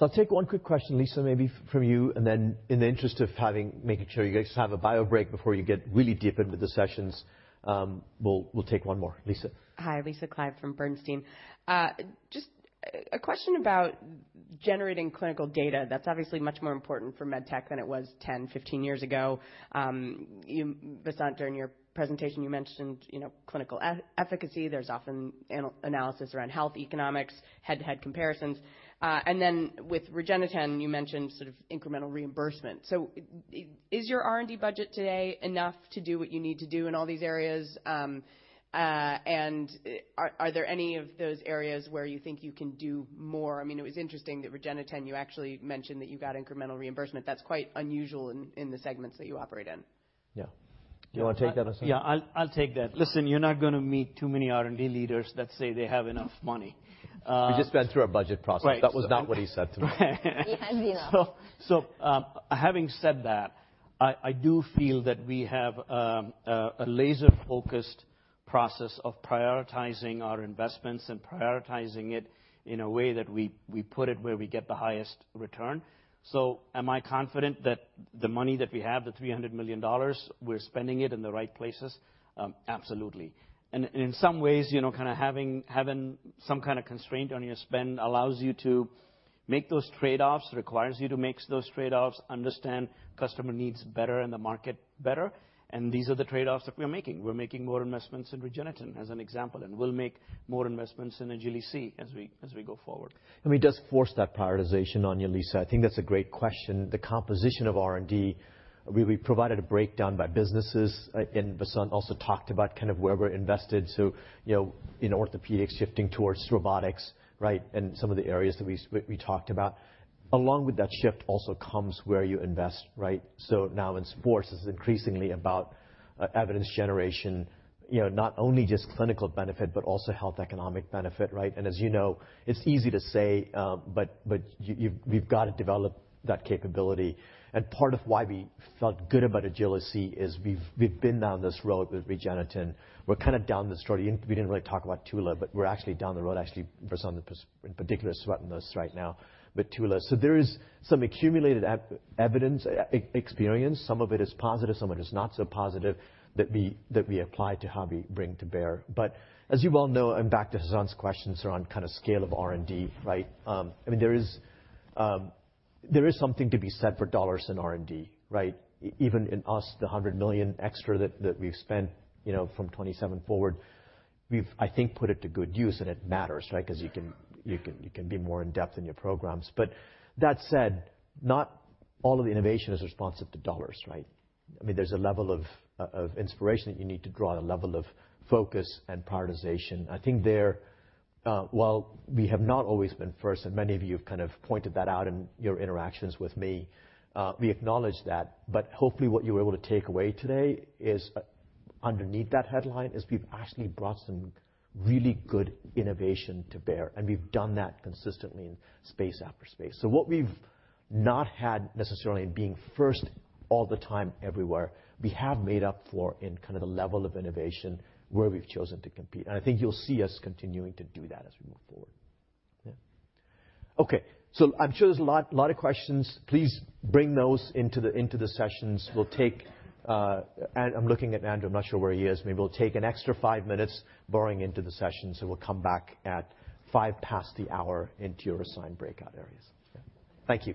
I'll take one quick question, Lisa, maybe from you. In the interest of making sure you guys have a bio break before you get really deep into the sessions, we'll take one more. Lisa. Hi. Lisa Clive from Bernstein. Just a question about generating clinical data. That's obviously much more important for medtech than it was 10, 15 years ago. Vasant, during your presentation, you mentioned clinical efficacy. There's often analysis around health economics, head-to-head comparisons. Then with REGENETEN, you mentioned sort of incremental reimbursement. Is your R&D budget today enough to do what you need to do in all these areas? Are there any of those areas where you think you can do more? I mean, it was interesting that REGENETEN, you actually mentioned that you got incremental reimbursement. That's quite unusual in the segments that you operate in. Yeah. Do you want to take that, Vasant? Yeah. I'll take that. Listen, you're not going to meet too many R&D leaders that say they have enough money. We just went through a budget process. That was not what he said to me. He has enough. Having said that, I do feel that we have a laser-focused process of prioritizing our investments and prioritizing it in a way that we put it where we get the highest return. Am I confident that the money that we have, the $300 million, we're spending it in the right places? Absolutely. In some ways, kind of having some kind of constraint on your spend allows you to make those trade-offs, requires you to make those trade-offs, understand customer needs better and the market better. These are the trade-offs that we're making. We're making more investments in REGENETEN as an example. We'll make more investments in AGILI-C as we go forward. I mean, does force that prioritization on you, Lisa? I think that's a great question. The composition of R&D, we provided a breakdown by businesses. Vasant also talked about kind of where we're invested. In orthopaedics, shifting towards robotics, right, and some of the areas that we talked about. Along with that shift also comes where you invest, right? Now sports medicine, it's increasingly about evidence generation, not only just clinical benefit but also health economic benefit, right? As you know, it's easy to say. We've got to develop that capability. Part of why we felt good about AGILI-C is we've been down this road with REGENETEN. We're kind of down this road. We didn't really talk about Tula System. We're actually down the road, actually, Vasant, in particular, throughout this right now with Tula System. There is some accumulated evidence, experience. Some of it is positive. Some of it is not so positive that we apply to how we bring to bear. As you well know, and back to Vasant's questions around kind of scale of R&D, right, I mean, there is something to be said for dollars in R&D, right? Even in us, the $100 million extra that we've spent from 2027 forward, we've, I think, put it to good use. It matters, right, because you can be more in-depth in your programs. That said, not all of the innovation is responsive to dollars, right? I mean, there's a level of inspiration that you need to draw, a level of focus and prioritization. I think there, while we have not always been first, and many of you have kind of pointed that out in your interactions with me, we acknowledge that. Hopefully, what you were able to take away today is underneath that headline is we've actually brought some really good innovation to bear. We've done that consistently in space after space. What we've not had necessarily in being first all the time everywhere, we have made up for in kind of the level of innovation where we've chosen to compete. I think you'll see us continuing to do that as we move forward, yeah? Okay. I'm sure there's a lot of questions. Please bring those into the sessions. We'll take and I'm looking at Andrew. I'm not sure where he is. Maybe we'll take an extra 5 minutes borrowing into the session. We'll come back at five past the hour into your assigned breakout areas, yeah? Thank you.